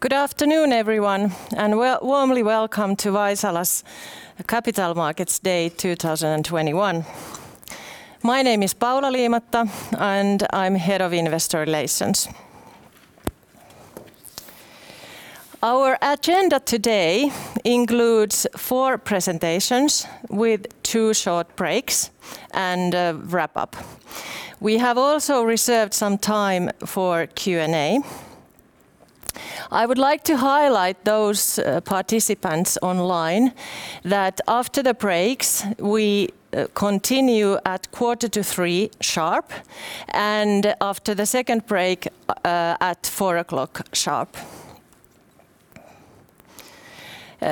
Good afternoon, everyone, and warmly welcome to Vaisala's Capital Markets Day 2021. My name is Paula Liimatta, and I'm Head of Investor Relations. Our agenda today includes four presentations with two short breaks and a wrap-up. We have also reserved some time for Q&A. I would like to highlight those participants online that after the breaks, we continue at 2:45 P.M. sharp and after the second break, at 4:00 P.M. sharp.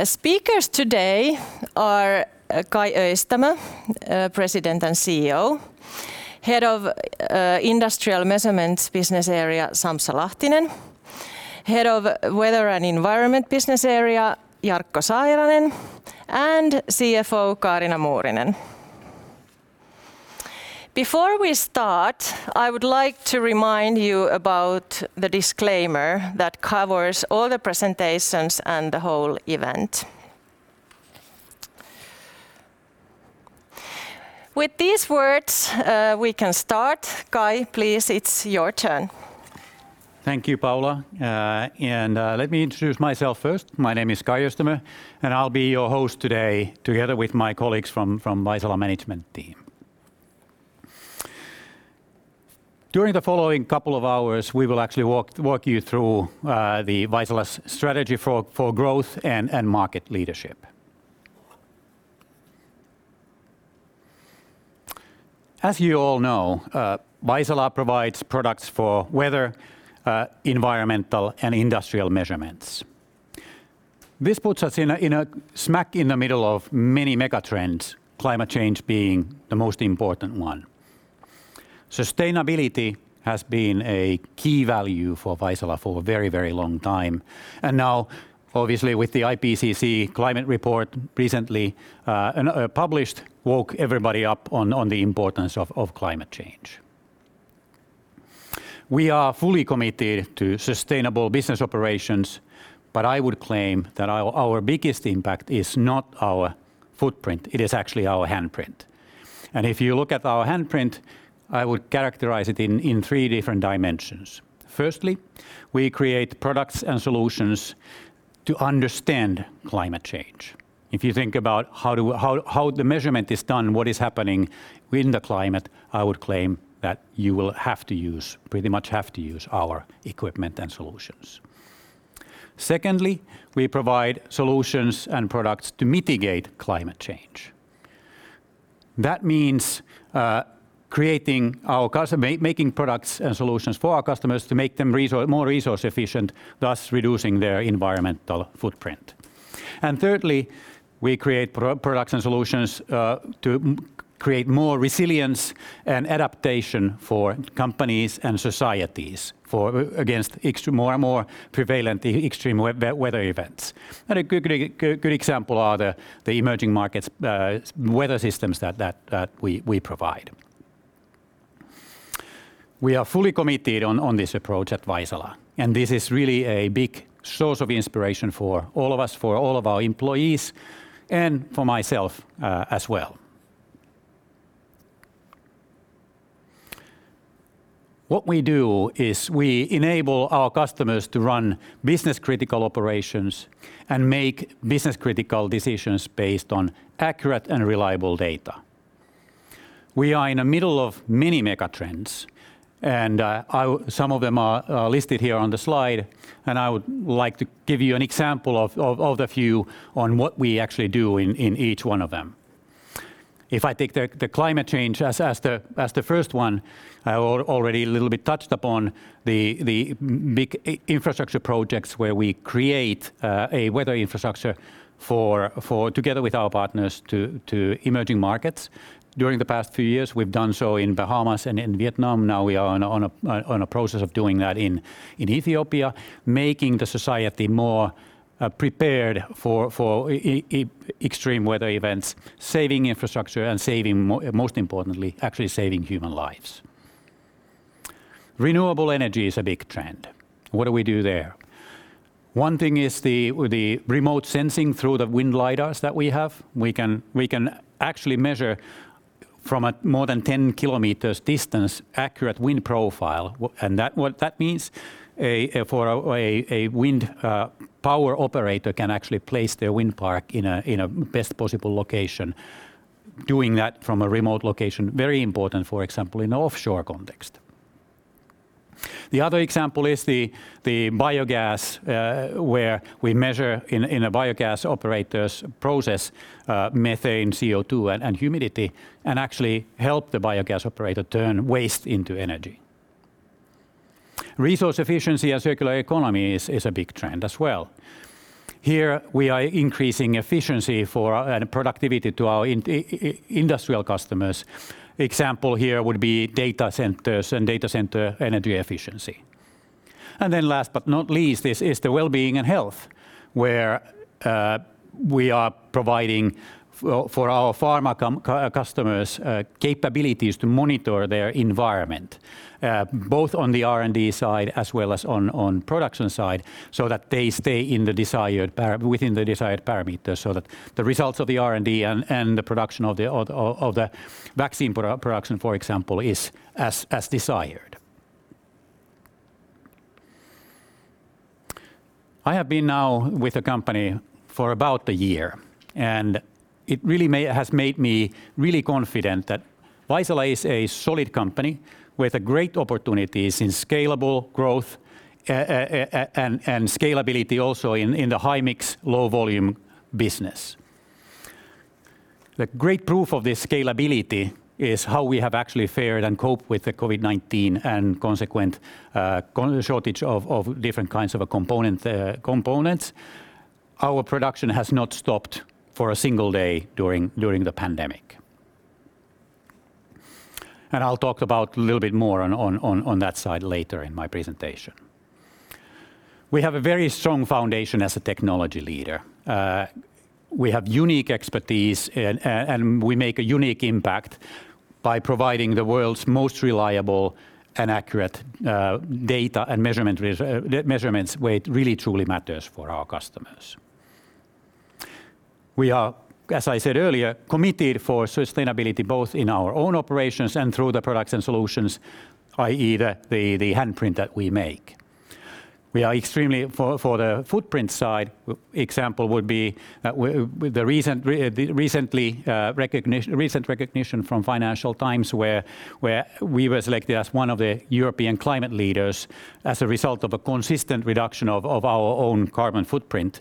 Speakers today are Kai Öistämö, President and CEO, Head of Industrial Measurements Business Area, Sampsa Lahtinen, Head of Weather and Environment Business Area, Jarkko Sairanen, and CFO, Kaarina Muurinen. Before we start, I would like to remind you about the disclaimer that covers all the presentations and the whole event. With these words, we can start. Kai, please, it's your turn. Thank you, Paula. Let me introduce myself first. My name is Kai Öistämö, and I'll be your host today together with my colleagues from Vaisala management team. During the following couple of hours, we will actually walk you through the Vaisala's strategy for growth and market leadership. As you all know, Vaisala provides products for weather, environmental, and industrial measurements. This puts us smack in the middle of many megatrends, climate change being the most important one. Sustainability has been a key value for Vaisala for a very long time. Now, obviously, with the IPCC climate report recently published woke everybody up on the importance of climate change. We are fully committed to sustainable business operations, but I would claim that our biggest impact is not our footprint, it is actually our handprint. If you look at our handprint, I would characterize it in three different dimensions. Firstly, we create products and solutions to understand climate change. If you think about how the measurement is done, what is happening in the climate, I would claim that you will pretty much have to use our equipment and solutions. Secondly, we provide solutions and products to mitigate climate change. That means making products and solutions for our customers to make them more resource efficient, thus reducing their environmental footprint. Thirdly, we create products and solutions to create more resilience and adaptation for companies and societies against more and more prevalent extreme weather events. A good example are the emerging markets weather systems that we provide. We are fully committed on this approach at Vaisala, and this is really a big source of inspiration for all of us, for all of our employees, and for myself as well. What we do is we enable our customers to run business-critical operations and make business-critical decisions based on accurate and reliable data. We are in the middle of many megatrends, and some of them are listed here on the slide, and I would like to give you an example of the few on what we actually do in each one of them. If I take the climate change as the first one, I already a little bit touched upon the big infrastructure projects where we create a weather infrastructure together with our partners to emerging markets. During the past few years, we have done so in Bahamas and in Vietnam. Now we are on a process of doing that in Ethiopia, making the society more prepared for extreme weather events, saving infrastructure, and most importantly, actually saving human lives. Renewable energy is a big trend. What do we do there? One thing is the remote sensing through the wind lidars that we have. We can actually measure from a more than 10 kilometers distance accurate wind profile. What that means, a wind power operator can actually place their wind park in a best possible location. Doing that from a remote location, very important, for example, in offshore context. The other example is the biogas, where we measure in a biogas operator's process, methane, CO2, and humidity, actually help the biogas operator turn waste into energy. Resource efficiency and circular economy is a big trend as well. Here we are increasing efficiency for, and productivity to our industrial customers. Example here would be data centers and data center energy efficiency. Last but not least, is the wellbeing and health, where we are providing for our pharma customers capabilities to monitor their environment, both on the R&D side as well as on production side, so that they stay within the desired parameters, so that the results of the R&D and the production of the vaccine production, for example, is as desired. I have been now with the company for about a year, and it really has made me really confident that Vaisala is a solid company with great opportunities in scalable growth and scalability also in the high-mix, low-volume business. The great proof of this scalability is how we have actually fared and coped with the COVID-19 and consequent shortage of different kinds of components. Our production has not stopped for a single day during the pandemic. I'll talk about a little bit more on that side later in my presentation. We have a very strong foundation as a technology leader. We have unique expertise and we make a unique impact by providing the world's most reliable and accurate data and measurements where it really truly matters for our customers. We are, as I said earlier, committed for sustainability both in our own operations and through the products and solutions, i.e., the handprint that we make. For the footprint side, example would be the recent recognition from Financial Times where we were selected as one of the European climate leaders as a result of a consistent reduction of our own carbon footprint,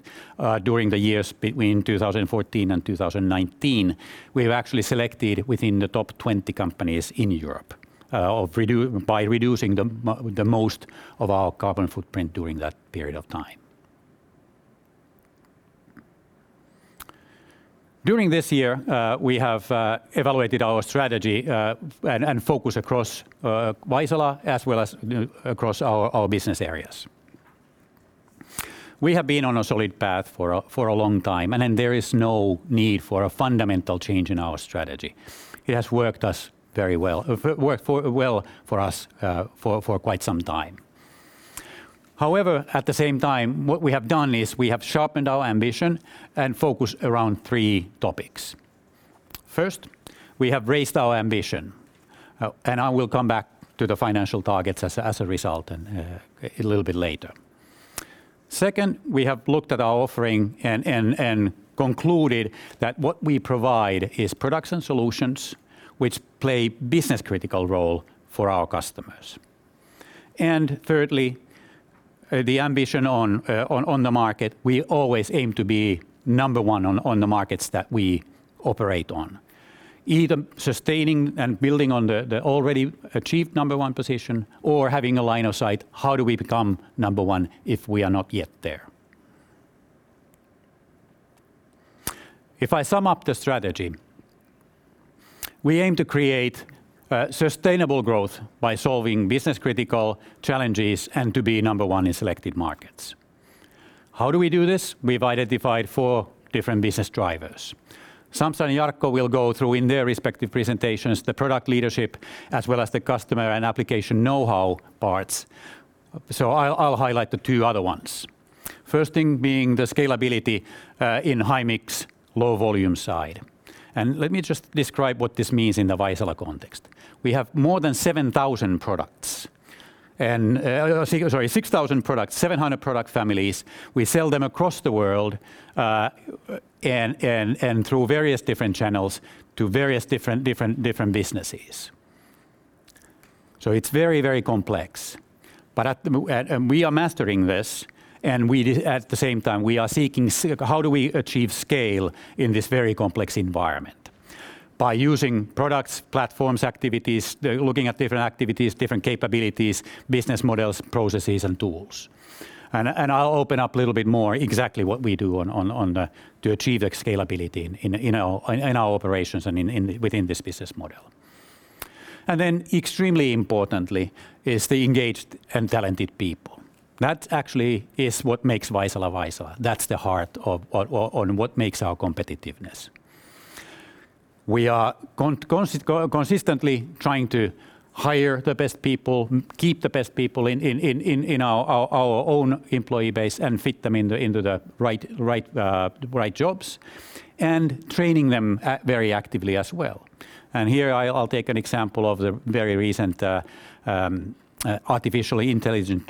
during the years between 2014 and 2019. We were actually selected within the top 20 companies in Europe by reducing the most of our carbon footprint during that period of time. During this year, we have evaluated our strategy, and focus across Vaisala as well as across our business areas. We have been on a solid path for a long time. There is no need for a fundamental change in our strategy. It has worked well for us for quite some time. However, at the same time, what we have done is we have sharpened our ambition and focused around three topics. First, we have raised our ambition. I will come back to the financial targets as a result a little bit later. Second, we have looked at our offering and concluded that what we provide is products and solutions which play business critical role for our customers. Thirdly, the ambition on the market, we always aim to be number one on the markets that we operate on, either sustaining and building on the already achieved number one position or having a line of sight, how do we become number one if we are not yet there? If I sum up the strategy, we aim to create sustainable growth by solving business critical challenges and to be number one in selected markets. How do we do this? We've identified four different business drivers. Sampsa and Jarkko will go through in their respective presentations, the product leadership as well as the customer and application knowhow parts. I'll highlight the two other ones. First thing being the scalability in high-mix, low-volume side. Let me just describe what this means in the Vaisala context. We have more than 6,000 products, 700 product families. We sell them across the world, and through various different channels to various different businesses. It's very complex. We are mastering this, and at the same time, we are seeking how do we achieve scale in this very complex environment. By using products, platforms, activities, looking at different activities, different capabilities, business models, processes, and tools. I'll open up a little bit more exactly what we do to achieve that scalability in our operations and within this business model. Extremely importantly is the engaged and talented people. That actually is what makes Vaisala Vaisala. That's the heart on what makes our competitiveness. We are consistently trying to hire the best people, keep the best people in our own employee base and fit them into the right jobs, and training them very actively as well. Here I'll take an example of the very recent, artificial intelligence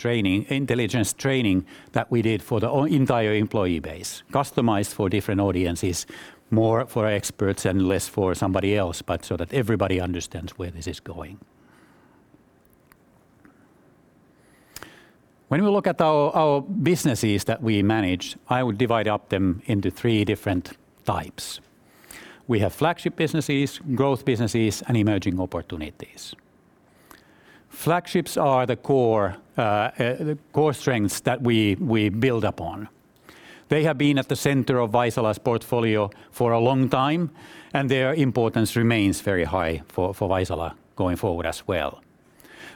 training that we did for the entire employee base, customized for different audiences, more for experts and less for somebody else, so that everybody understands where this is going. When we look at our businesses that we manage, I would divide up them into three different types. We have flagship businesses, growth businesses, and emerging opportunities. Flagships are the core strengths that we build upon. They have been at the center of Vaisala's portfolio for a long time, and their importance remains very high for Vaisala going forward as well.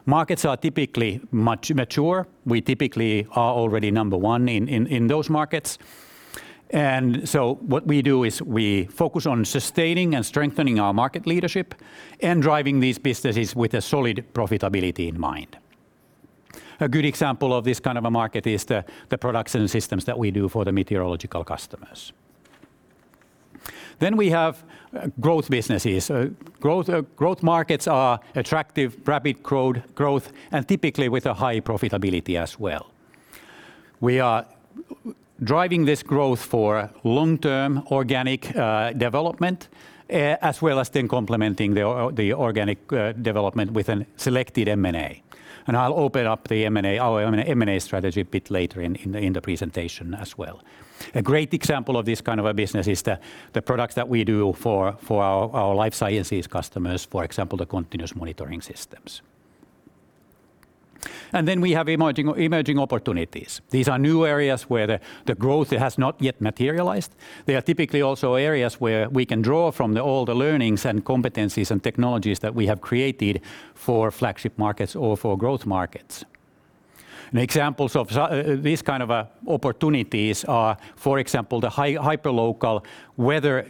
Markets are typically mature. We typically are already number one in those markets. What we do is we focus on sustaining and strengthening our market leadership and driving these businesses with a solid profitability in mind. A good example of this kind of a market is the products and systems that we do for the meteorological customers. We have growth businesses. Growth markets are attractive, rapid growth, and typically with a high profitability as well. We are driving this growth for long-term organic development as well as then complementing the organic development with an selected M&A. I'll open up our M&A strategy a bit later in the presentation as well. A great example of this kind of a business is the products that we do for our life sciences customers, for example, the continuous monitoring systems. We have emerging opportunities. These are new areas where the growth has not yet materialized. They are typically also areas where we can draw from all the learnings and competencies and technologies that we have created for flagship markets or for growth markets. Examples of these kind of opportunities are, for example, the hyperlocal weather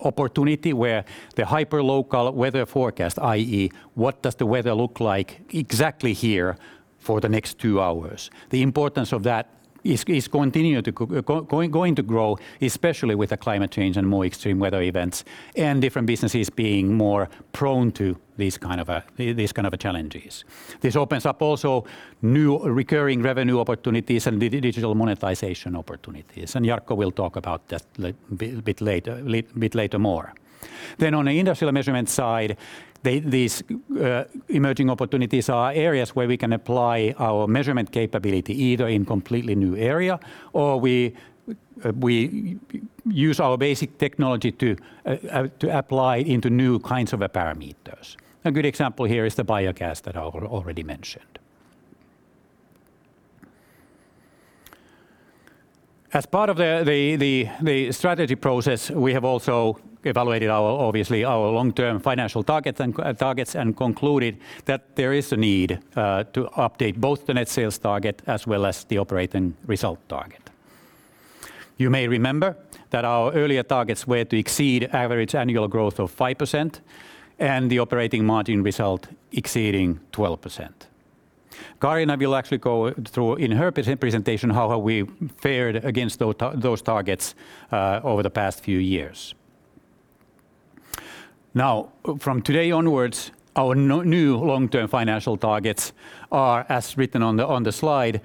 opportunity where the hyperlocal weather forecast, i.e., what does the weather look like exactly here for the next two hours? The importance of that is going to grow, especially with the climate change and more extreme weather events and different businesses being more prone to these kind of challenges. This opens up also new recurring revenue opportunities and digital monetization opportunities. Jarkko will talk about that a bit later more. On the industrial measurement side, these emerging opportunities are areas where we can apply our measurement capability, either in completely new area or we use our basic technology to apply into new kinds of parameters. A good example here is the biogas that I already mentioned. As part of the strategy process, we have also evaluated obviously our long-term financial targets and concluded that there is a need to update both the net sales target as well as the operating result target. You may remember that our earlier targets were to exceed average annual growth of 5% and the operating margin result exceeding 12%. Kaarina will actually go through in her presentation how have we fared against those targets over the past few years. From today onwards, our new long-term financial targets are as written on the slide.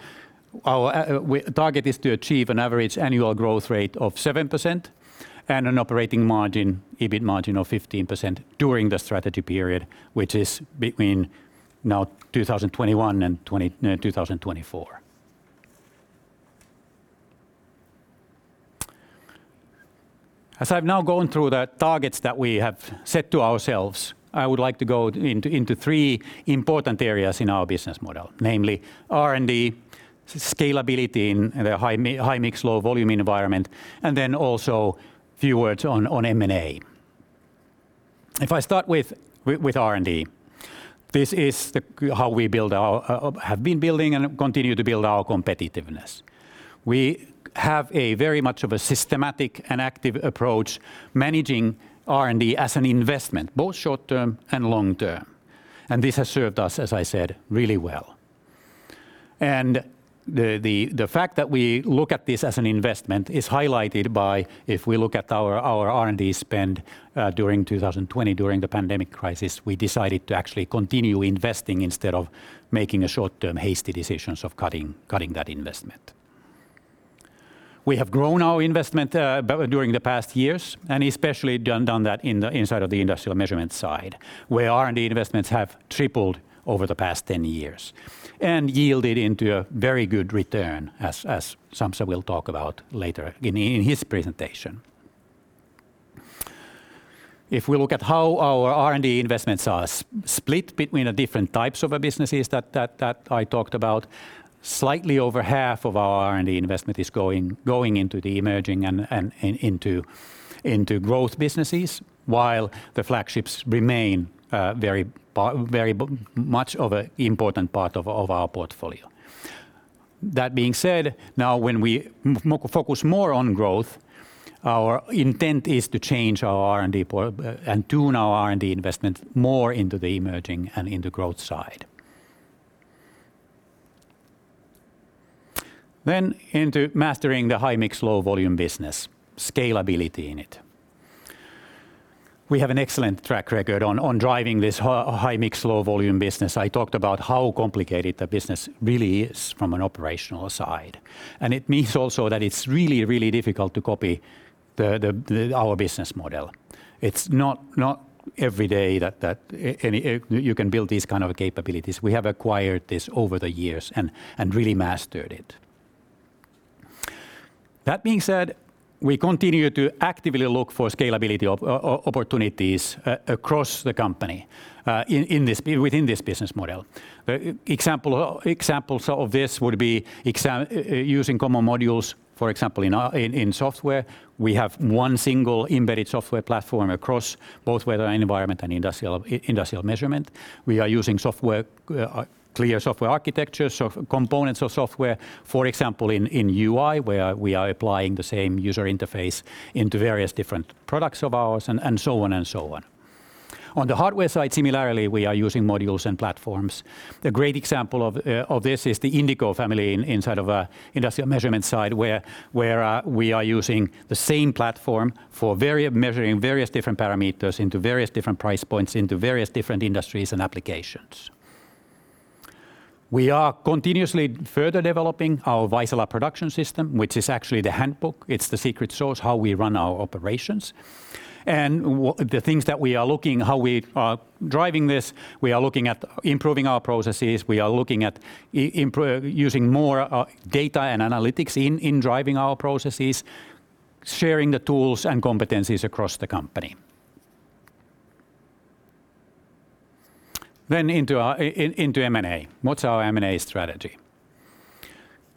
Our target is to achieve an average annual growth rate of 7% and an operating margin, EBIT margin of 15% during the strategy period, which is between 2021 and 2024. As I've now gone through the targets that we have set to ourselves, I would like to go into three important areas in our business model, namely R&D, scalability in the high-mix, low-volume environment, and then also a few words on M&A. If I start with R&D, this is how we have been building and continue to build our competitiveness. We have a very much of a systematic and active approach managing R&D as an investment, both short-term and long-term. This has served us, as I said, really well. The fact that we look at this as an investment is highlighted by if we look at our R&D spend during 2020 during the pandemic crisis, we decided to actually continue investing instead of making a short-term, hasty decisions of cutting that investment. We have grown our investment during the past years, and especially done that inside of the industrial measurement side, where R&D investments have tripled over the past 10 years and yielded into a very good return, as Sampsa will talk about later in his presentation. If we look at how our R&D investments are split between the different types of businesses that I talked about, slightly over half of our R&D investment is going into the emerging and into growth businesses, while the flagships remain very much of a important part of our portfolio. That being said, now when we focus more on growth, our intent is to change our R&D and tune our R&D investment more into the emerging and in the growth side, into mastering the high-mix, low-volume business, scalability in it. We have an excellent track record on driving this high-mix, low-volume business. I talked about how complicated the business really is from an operational side, and it means also that it's really, really difficult to copy our business model. It's not every day that you can build these kind of capabilities. We have acquired this over the years and really mastered it. That being said, we continue to actively look for scalability of opportunities across the company within this business model. Examples of this would be using common modules, for example, in software. We have one single embedded software platform across both Weather and Environment and Industrial Measurement. We are using clear software architectures of components of software. For example, in UI, where we are applying the same user interface into various different products of ours and so on. On the hardware side, similarly, we are using modules and platforms. The great example of this is the Indigo family inside of the industrial measurement side, where we are using the same platform for measuring various different parameters into various different price points, into various different industries and applications. We are continuously further developing our Vaisala Production System, which is actually the handbook. It's the secret sauce how we run our operations. The things that we are looking how we are driving this, we are looking at improving our processes. We are looking at using more data and analytics in driving our processes, sharing the tools and competencies across the company. Into M&A. What's our M&A strategy?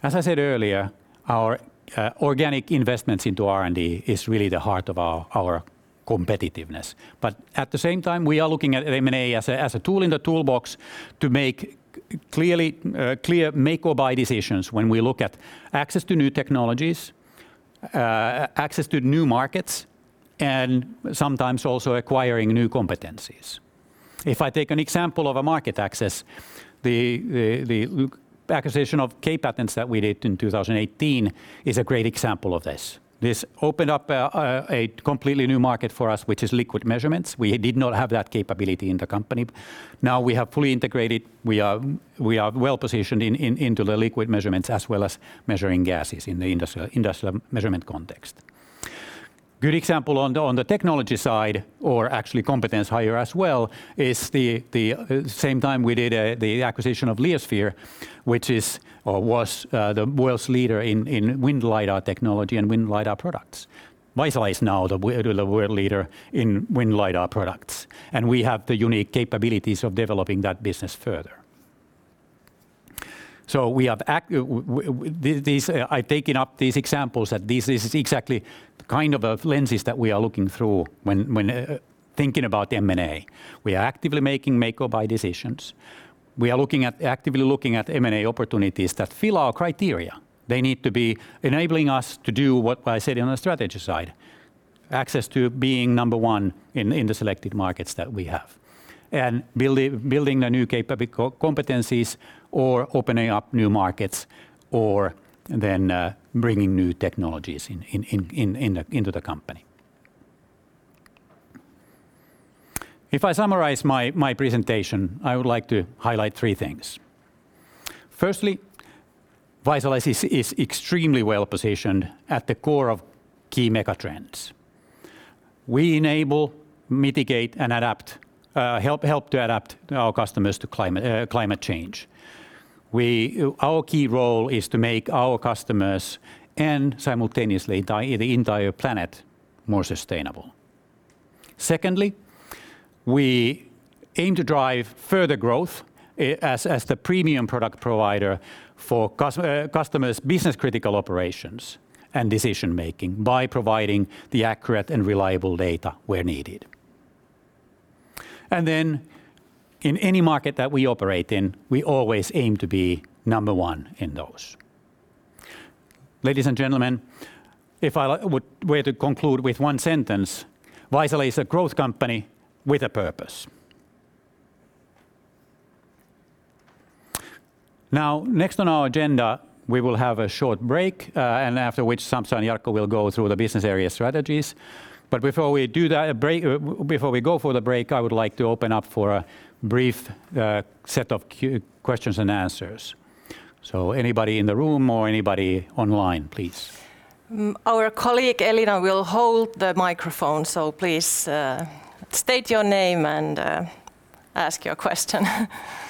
As I said earlier, our organic investments into R&D is really the heart of our competitiveness. At the same time, we are looking at M&A as a tool in the toolbox to make clear make or buy decisions when we look at access to new technologies, access to new markets, and sometimes also acquiring new competencies. If I take an example of a market access, the acquisition of K-Patents that we did in 2018 is a great example of this. This opened up a completely new market for us, which is liquid measurements. We did not have that capability in the company. Now we have fully integrated, we are well-positioned into the liquid measurements as well as measuring gases in the industrial measurement context. Good example on the technology side, or actually competence hire as well, is the same time we did the acquisition of Leosphere, which was the world's leader in wind lidar technology and wind lidar products. Vaisala is now the world leader in wind lidar products, and we have the unique capabilities of developing that business further. I've taken up these examples that this is exactly the kind of lenses that we are looking through when thinking about M&A. We are actively making make or buy decisions. We are actively looking at M&A opportunities that fill our criteria. They need to be enabling us to do what I said on the strategy side, access to being number one in the selected markets that we have. Building the new competencies or opening up new markets or bringing new technologies into the company. If I summarize my presentation, I would like to highlight three things. Firstly, Vaisala is extremely well-positioned at the core of key mega trends. We enable, mitigate, and help to adapt our customers to climate change. Our key role is to make our customers, and simultaneously the entire planet, more sustainable. We aim to drive further growth as the premium product provider for customers' business-critical operations and decision-making by providing the accurate and reliable data where needed. In any market that we operate in, we always aim to be number one in those. Ladies and gentlemen, if I were to conclude with one sentence, Vaisala is a growth company with a purpose. Next on our agenda, we will have a short break, and after which Sampsa and Jarkko will go through the business area strategies. Before we go for the break, I would like to open up for a brief set of questions and answers. Anybody in the room or anybody online, please. Our colleague, Elena, will hold the microphone. Please state your name and ask your question.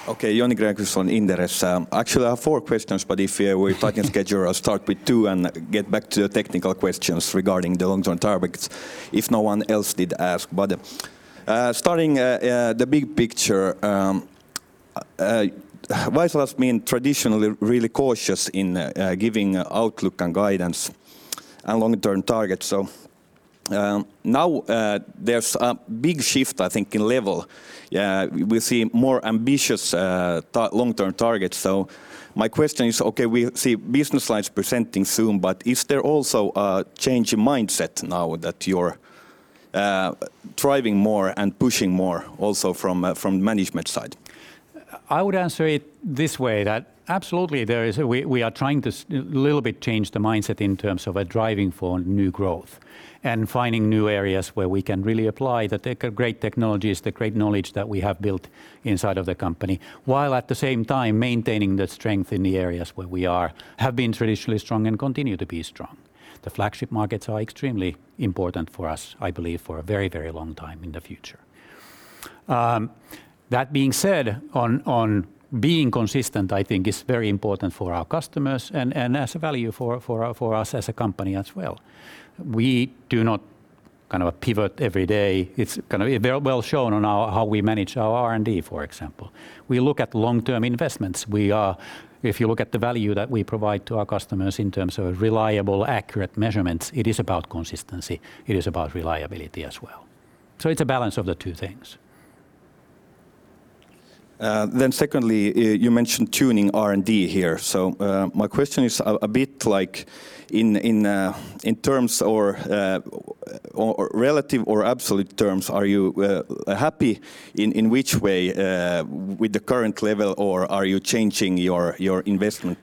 Okay, Joni Grönqvist, Inderes. Actually, I have four questions, but if I can schedule, I'll start with two and get back to the technical questions regarding the long-term targets if no one else did ask. Starting the big picture, Vaisala's been traditionally really cautious in giving outlook and guidance and long-term targets. Now there's a big shift, I think, in level. We see more ambitious long-term targets. My question is, okay, we see business lines presenting soon, but is there also a change in mindset now that you're driving more and pushing more also from management side? I would answer it this way, that absolutely we are trying to little bit change the mindset in terms of driving for new growth and finding new areas where we can really apply the great technologies, the great knowledge that we have built inside of the company, while at the same time maintaining the strength in the areas where we have been traditionally strong and continue to be strong. The flagship markets are extremely important for us, I believe, for a very, very long time in the future. That being said, on being consistent, I think is very important for our customers and as a value for us as a company as well. We do not kind of pivot every day. It's kind of well shown on how we manage our R&D, for example. We look at long-term investments. If you look at the value that we provide to our customers in terms of reliable, accurate measurements, it is about consistency. It is about reliability as well. It's a balance of the two things. Secondly, you mentioned tuning R&D here. My question is a bit like in terms or relative or absolute terms, are you happy in which way with the current level, or are you changing your investment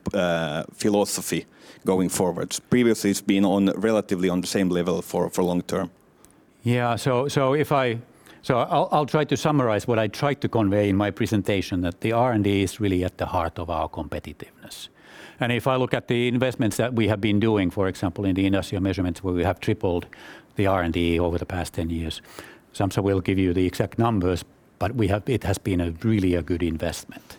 philosophy going forward? Previously, it's been relatively on the same level for long term. I'll try to summarize what I tried to convey in my presentation that the R&D is really at the heart of our competitiveness. If I look at the investments that we have been doing, for example, in the industrial measurements, where we have tripled the R&D over the past 10 years. Sampsa will give you the exact numbers, but it has been really a good investment.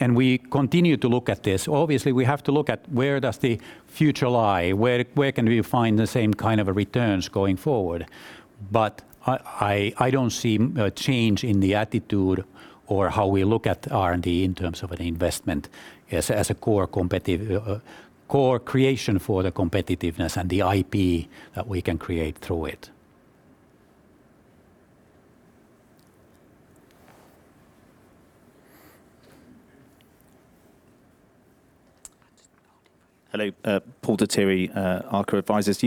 We continue to look at this. Obviously, we have to look at where does the future lie, where can we find the same kind of returns going forward. I don't see a change in the attitude or how we look at R&D in terms of an investment as a core creation for the competitiveness and the IP that we can create through it. Hello. Paul Dettieri, ARK Advisors.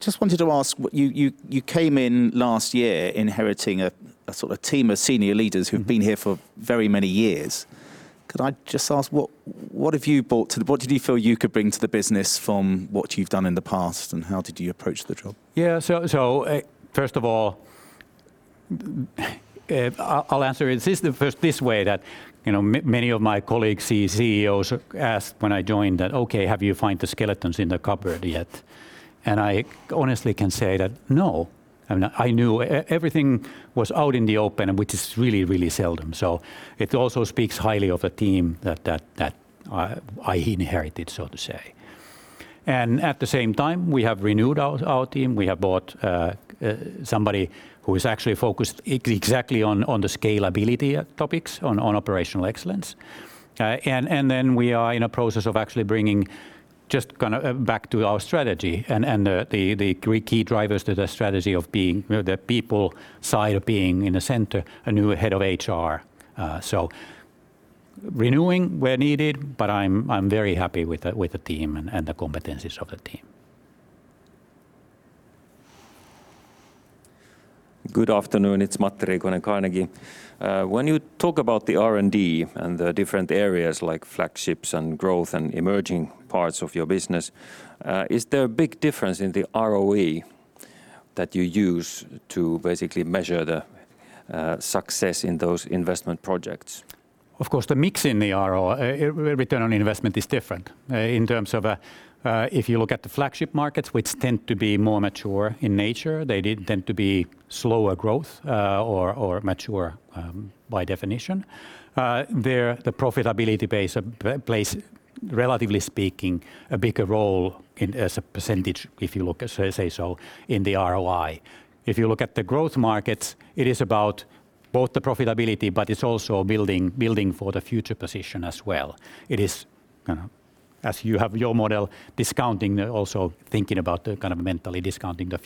Just wanted to ask, you came in last year inheriting a sort of team of senior leaders who've been here for very many years. Could I just ask what did you feel you could bring to the business from what you've done in the past, and how did you approach the job? Yeah. First of all, I'll answer it first this way that many of my colleagues, CEOs asked when I joined that, "Okay, have you find the skeletons in the cupboard yet?" I honestly can say that no, I knew everything was out in the open, which is really seldom. It also speaks highly of the team that I inherited, so to say. At the same time, we have renewed our team. We have brought somebody who is actually focused exactly on the scalability topics, on operational excellence. We are in a process of actually bringing just kind of back to our strategy and the three key drivers to the strategy of being the people side of being in the center, a new head of HR. Renewing where needed, but I'm very happy with the team and the competencies of the team. Good afternoon. It's Matti Riikonen, Carnegie. When you talk about the R&D and the different areas like flagships and growth and emerging parts of your business, is there a big difference in the ROI that you use to basically measure the success in those investment projects? Of course, the mix in the ROI is different in terms of if you look at the flagship markets, which tend to be more mature in nature, they did tend to be slower growth, or mature by definition. There, the profitability plays relatively speaking, a bigger role as a percentage if you look in the ROI. If you look at the growth markets, it is about both the profitability, but it's also building for the future position as well. It is kind of as you have your model discounting, also thinking about the kind of mentally discounting the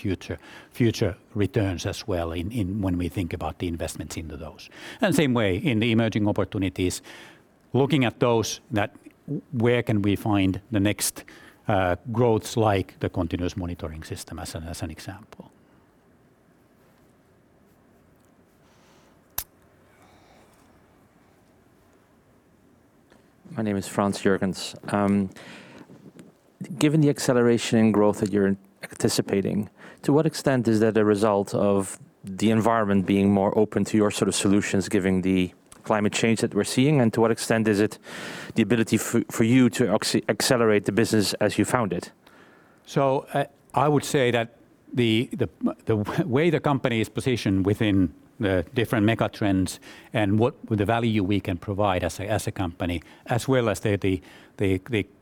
future returns as well when we think about the investments into those. Same way in the emerging opportunities, looking at those that where can we find the next growths like the continuous monitoring system as an example. My name is Frans Jurgens. Given the acceleration in growth that you're anticipating, to what extent is that a result of the environment being more open to your sort of solutions given the climate change that we're seeing, and to what extent is it the ability for you to accelerate the business as you found it? I would say that the way the company is positioned within the different mega trends and what the value we can provide as a company, as well as the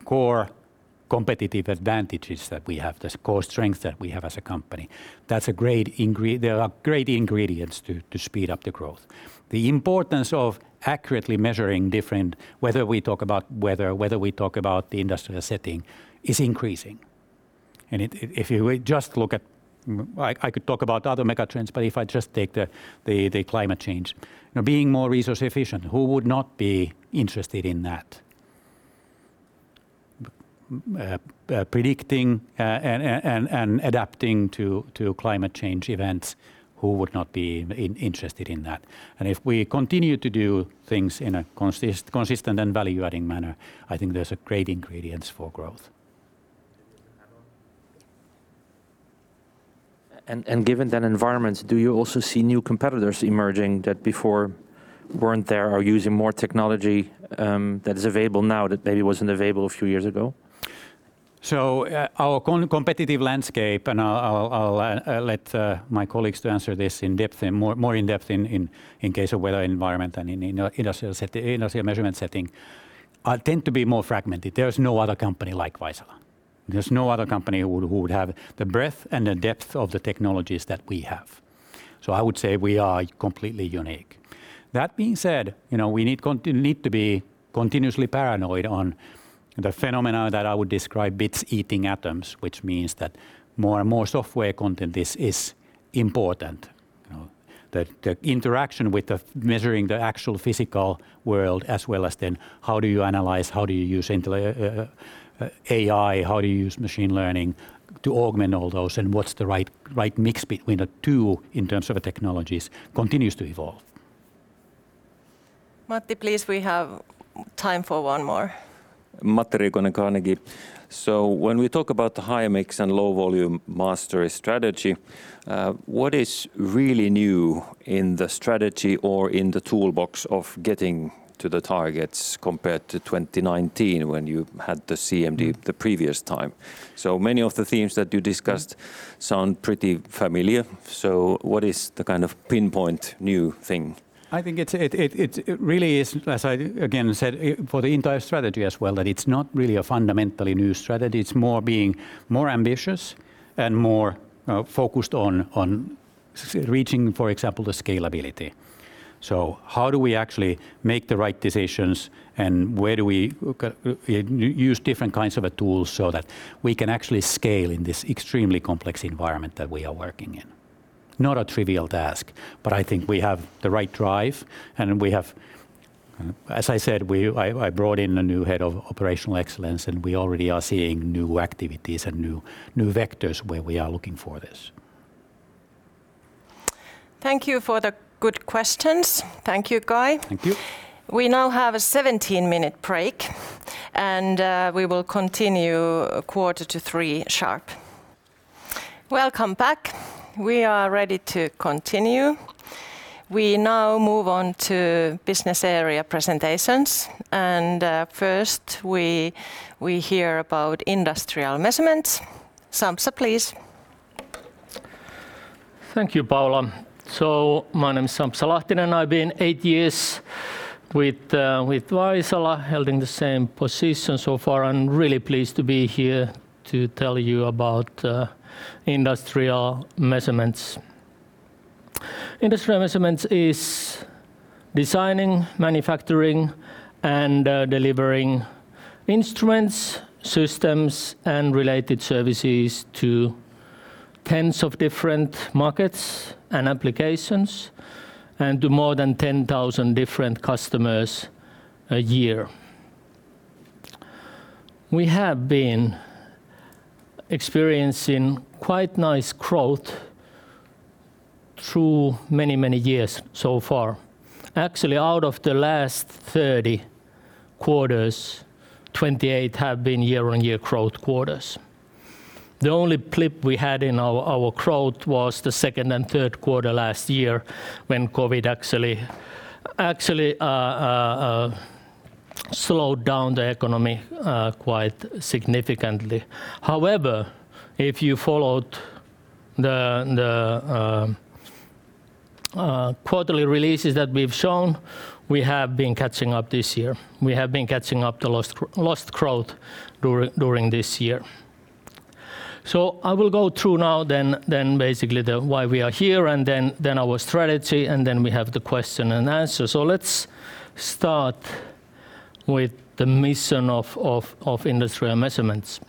core competitive advantages that we have, the core strength that we have as a company, there are great ingredients to speed up the growth. The importance of accurately measuring different, whether we talk about weather, whether we talk about the industrial setting, is increasing. I could talk about other mega trends, but if I just take the climate change. Being more resource efficient, who would not be interested in that? Predicting and adapting to climate change events, who would not be interested in that? If we continue to do things in a consistent and value-adding manner, I think there's great ingredients for growth. Given that environment, do you also see new competitors emerging that before weren't there or using more technology that is available now that maybe wasn't available a few years ago? Our competitive landscape, and I'll let my colleagues to answer this more in depth in case of weather environment than in industrial measurement setting, tend to be more fragmented. There is no other company like Vaisala. There's no other company who would have the breadth and the depth of the technologies that we have. I would say we are completely unique. That being said, we need to be continuously paranoid on the phenomena that I would describe bits eating atoms, which means that more and more software content is important. The interaction with measuring the actual physical world, as well as then how do you analyze, how do you use AI, how do you use machine learning to augment all those, and what's the right mix between the two in terms of technologies continues to evolve. Matti, please, we have time for one more. Matti Riikonen, Carnegie. When we talk about the high mix and low volume mastery strategy, what is really new in the strategy or in the toolbox of getting to the targets compared to 2019 when you had the CMD the previous time? Many of the themes that you discussed sound pretty familiar. What is the kind of pinpoint new thing? I think it really is, as I again said, for the entire strategy as well, that it's not really a fundamentally new strategy. It's more being more ambitious and more focused on reaching, for example, the scalability. How do we actually make the right decisions and where do we use different kinds of tools and applications, and to more than 10,000 different customers a year. We have been experiencing quite nice growth through many, many years so far. Actually, out of the last 30 quarters, 28 have been year-on-year growth quarters. The only blip we had in our growth was the second and third quarter last year when COVID-19 actually slowed down the economy quite significantly. However, if you followed the quarterly releases that we've shown, we have been catching up this year. We have been catching up the lost growth during this year. I will go through now the why we are here, and our strategy, and we have the question and answer. Let's start with the mission of Industrial Measurements.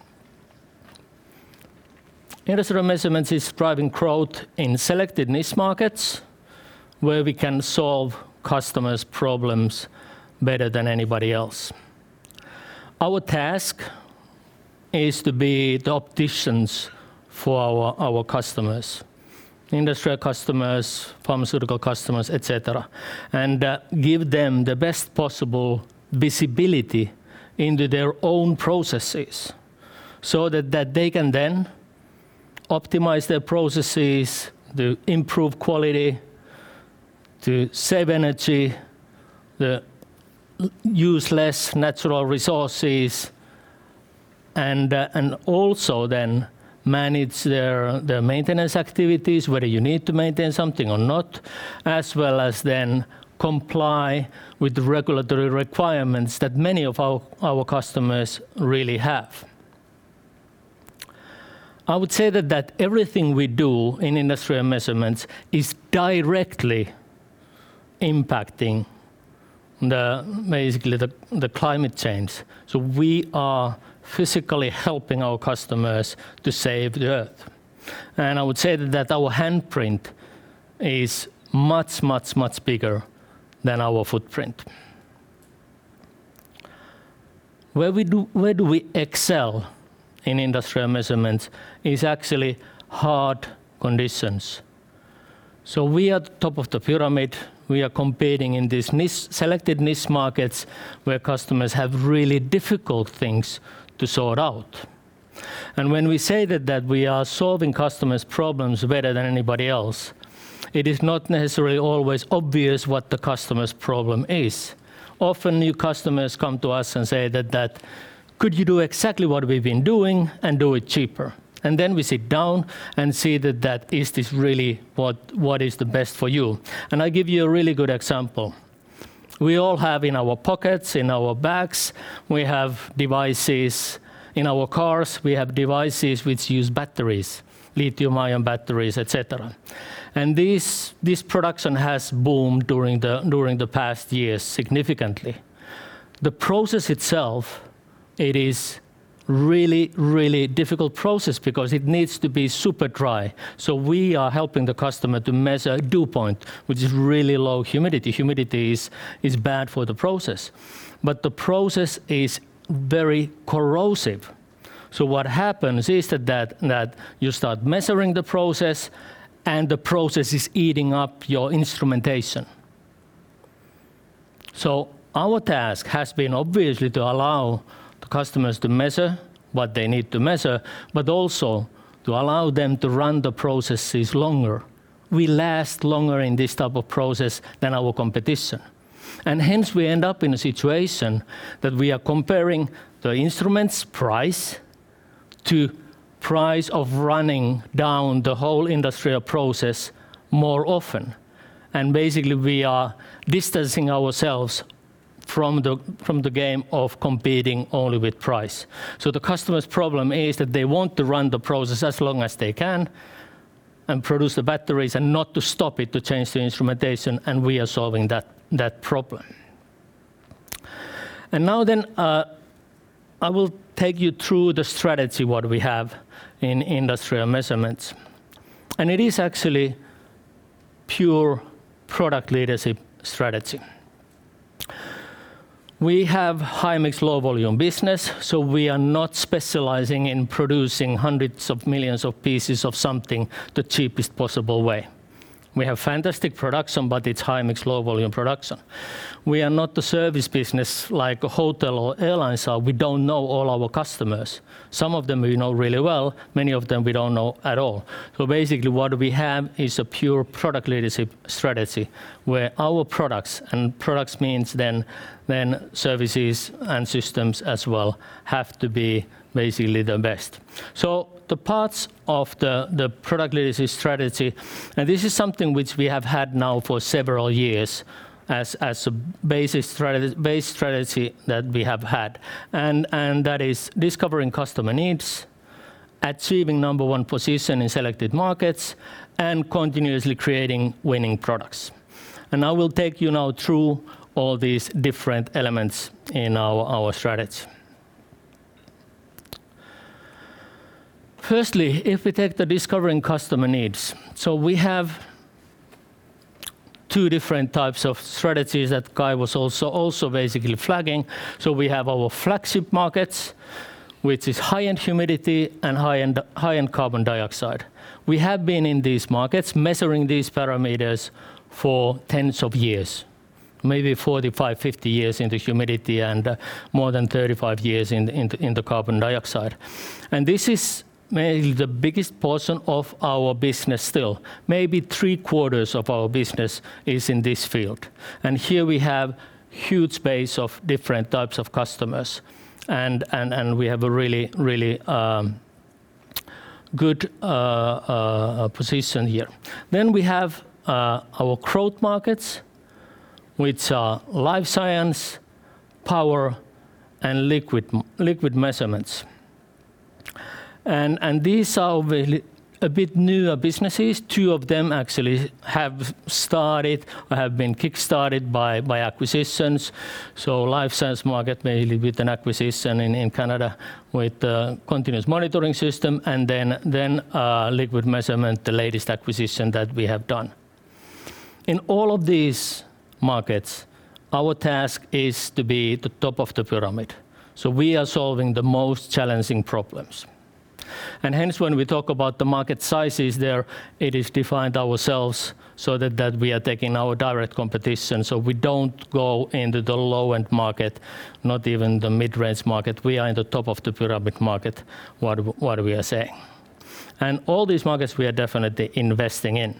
Industrial Measurements is driving growth in selected niche markets where we can solve customers' problems better than anybody else. Our task is to be the opticians for our customers, industrial customers, pharmaceutical customers, et cetera, and give them the best possible visibility into their own processes so that they can optimize their processes to improve quality, to save energy, use less natural resources, and also manage their maintenance activities, whether you need to maintain something or not, as well as comply with the regulatory requirements that many of our customers really have. I would say that everything we do in Industrial Measurements is directly impacting the climate change. We are physically helping our customers to save the Earth. I would say that our handprint is much bigger than our footprint. Where do we excel in industrial measurements is actually hard conditions. We are at the top of the pyramid. We are competing in these selected niche markets where customers have really difficult things to sort out. When we say that we are solving customers' problems better than anybody else, it is not necessarily always obvious what the customer's problem is. Often, new customers come to us and say that, "Could you do exactly what we've been doing and do it cheaper?" Then we sit down and see that that is this really what is the best for you. I give you a really good example. We all have in our pockets, in our bags, we have devices in our cars, we have devices which use batteries, lithium-ion batteries, et cetera. This production has boomed during the past years significantly. It is really, really difficult process because it needs to be super dry. We are helping the customer to measure dew point, which is really low humidity. Humidity is bad for the process. The process is very corrosive. What happens is that you start measuring the process, and the process is eating up your instrumentation. Our task has been obviously to allow the customers to measure what they need to measure, but also to allow them to run the processes longer. We last longer in this type of process than our competition. We end up in a situation that we are comparing the instrument's price to price of running down the whole industrial process more often. We are distancing ourselves from the game of competing only with price. The customer's problem is that they want to run the process as long as they can and produce the batteries and not to stop it to change the instrumentation, and we are solving that problem. I will take you through the strategy, what we have in Industrial Measurements. It is actually pure product leadership strategy. We have high-mix, low-volume business, so we are not specializing in producing hundreds of millions of pieces of something the cheapest possible way. We have fantastic production, but it's high-mix, low-volume production. We are not a service business like a hotel or airlines are. We don't know all our customers. Some of them we know really well, many of them we don't know at all. Basically, what we have is a pure product leadership strategy where our products, and products means then services and systems as well, have to be basically the best. The parts of the product leadership strategy, and this is something which we have had now for several years as a base strategy that we have had, and that is discovering customer needs, achieving number one position in selected markets, and continuously creating winning products. I will take you now through all these different elements in our strategy. Firstly, if we take the discovering customer needs. We have two different types of strategies that Kai was also basically flagging. We have our flagship markets, which is high-end humidity and high-end carbon dioxide. We have been in these markets measuring these parameters for tens of years, maybe 45, 50 years into humidity and more than 35 years in the carbon dioxide. This is maybe the biggest portion of our business still. Maybe three-quarters of our business is in this field. Here we have huge base of different types of customers and we have a really good position here. We have our growth markets, which are life science, power, and liquid measurements. These are a bit newer businesses. Two of them actually have started or have been kickstarted by acquisitions. Life science market, mainly with an acquisition in Canada with the continuous monitoring system, and then liquid measurement, the latest acquisition that we have done. In all of these markets, our task is to be the top of the pyramid. We are solving the most challenging problems. Hence, when we talk about the market sizes there, it is defined ourselves so that we are taking our direct competition, so we don't go into the low-end market, not even the mid-range market. We are in the top of the pyramid market, what we are saying. All these markets we are definitely investing in.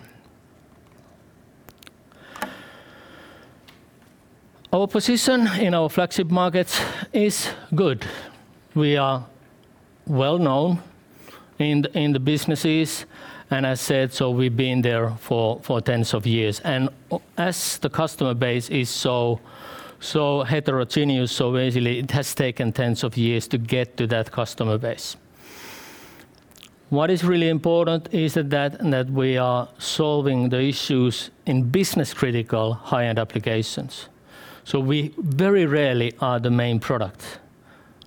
Our position in our flagship markets is good. We are well-known in the businesses, and as said, so we've been there for tens of years. As the customer base is so heterogeneous, so basically it has taken tens of years to get to that customer base. What is really important is that we are solving the issues in business-critical high-end applications. We very rarely are the main product.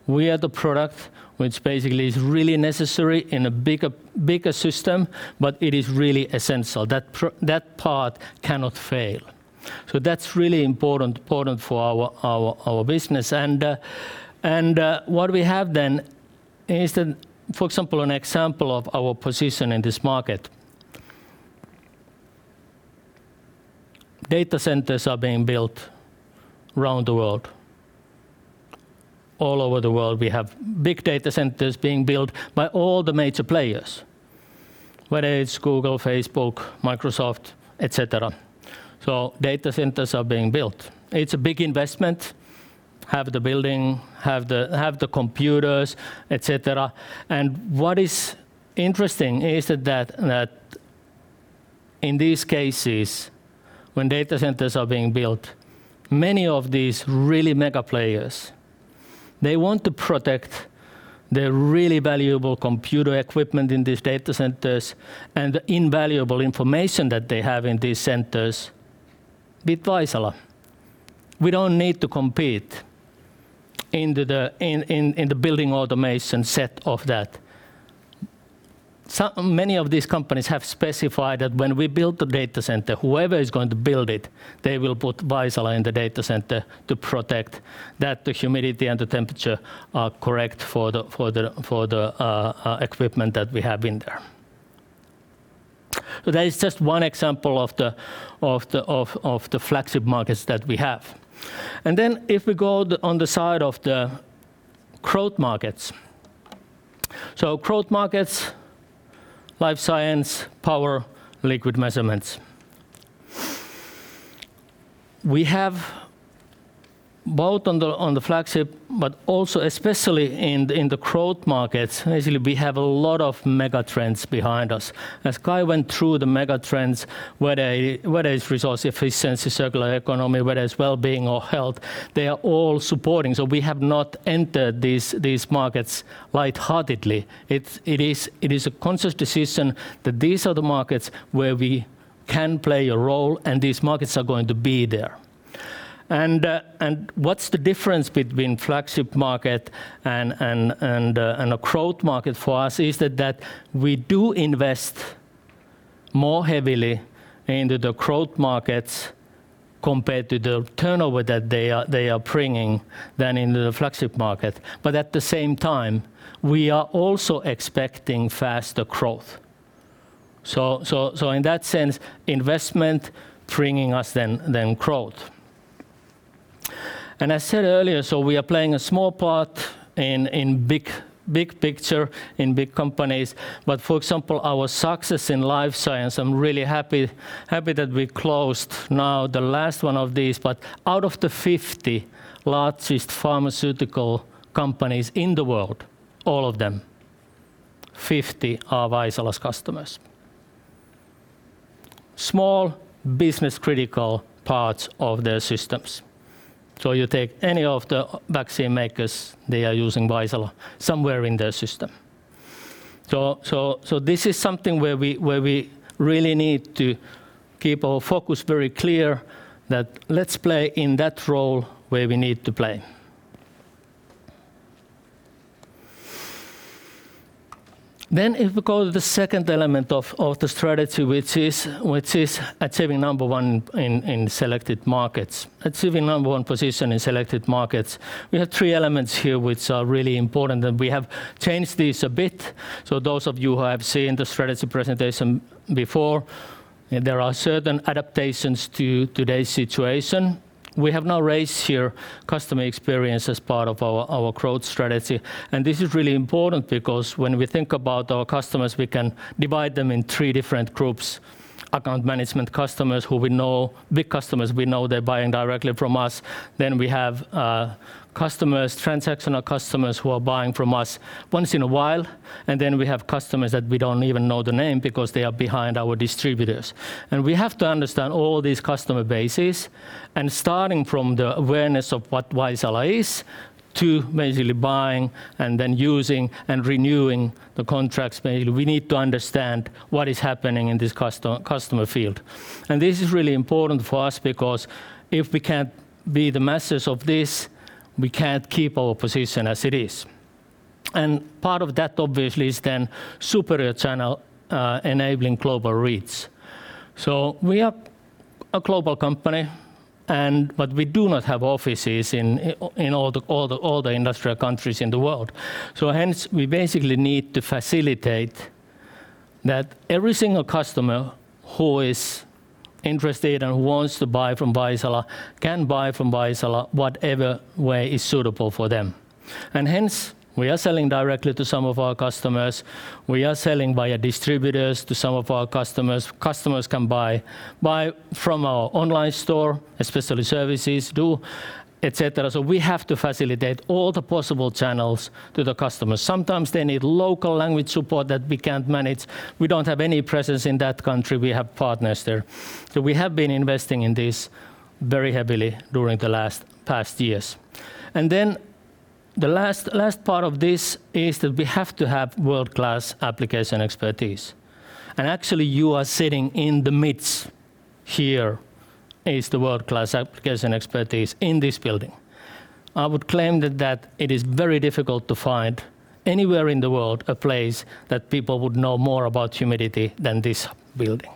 We are the product which basically is really necessary in a bigger system, but it is really essential. That part cannot fail. That's really important for our business. What we have is, for example, an example of our position in this market. Data centers are being built around the world. All over the world, we have big data centers being built by all the major players, whether it's Google, Facebook, Microsoft, et cetera. Data centers are being built. It's a big investment. Have the building, have the computers, et cetera. What is interesting is that in these cases, when data centers are being built, many of these really mega players, they want to protect their really valuable computer equipment in these data centers and invaluable information that they have in these centers. With Vaisala, we don't need to compete in the building automation set of that. Many of these companies have specified that when we build the data center, whoever is going to build it, they will put Vaisala in the data center to protect that the humidity and the temperature are correct for the equipment that we have in there. That is just one example of the flagship markets that we have. If we go on the side of the growth markets. Growth markets, life science, power, liquid measurements. We have both on the flagship, but also especially in the growth markets, basically, we have a lot of mega trends behind us. As Kai went through the mega trends, whether it is resource efficiency, circular economy, whether it is wellbeing or health, they are all supporting. We have not entered these markets lightheartedly. It is a conscious decision that these are the markets where we can play a role, and these markets are going to be there. What's the difference between flagship market and a growth market for us is that we do invest more heavily into the growth markets compared to the turnover that they are bringing than in the flagship market. At the same time, we are also expecting faster growth. In that sense, investment bringing us then growth. I said earlier, we are playing a small part in big picture, in big companies. For example, our success in life science, I'm really happy that we closed now the last one of these, but out of the 50 largest pharmaceutical companies in the world, all of them, 50 are Vaisala's customers. Small business critical parts of their systems. You take any of the vaccine makers, they are using Vaisala somewhere in their system. This is something where we really need to keep our focus very clear that let's play in that role where we need to play. If we go to the second element of the strategy, which is achieving number one in selected markets. Achieving number one position in selected markets. We have three elements here, which are really important, and we have changed these a bit. Those of you who have seen the strategy presentation before, there are certain adaptations to today's situation. We have now raised here customer experience as part of our growth strategy, and this is really important because when we think about our customers, we can divide them in three different groups: account management customers who we know, big customers we know they're buying directly from us. We have transactional customers who are buying from us once in a while. We have customers that we don't even know the name because they are behind our distributors. We have to understand all these customer bases and starting from the awareness of what Vaisala is to basically buying and then using and renewing the contracts. Basically, we need to understand what is happening in this customer field. This is really important for us because if we can't be the masters of this, we can't keep our position as it is. Part of that obviously is superior channel enabling global reach. We are a global company, but we do not have offices in all the industrial countries in the world. Hence, we basically need to facilitate that every single customer who is interested and who wants to buy from Vaisala can buy from Vaisala whatever way is suitable for them. We are selling directly to some of our customers. We are selling via distributors to some of our customers. Customers can buy from our online store, especially services do, et cetera. We have to facilitate all the possible channels to the customers. Sometimes they need local language support that we can't manage. We don't have any presence in that country, we have partners there. We have been investing in this very heavily during the last past years. The last part of this is that we have to have world-class application expertise. Actually, you are sitting in the midst. Here is the world-class application expertise in this building. I would claim that it is very difficult to find anywhere in the world, a place that people would know more about humidity than this building.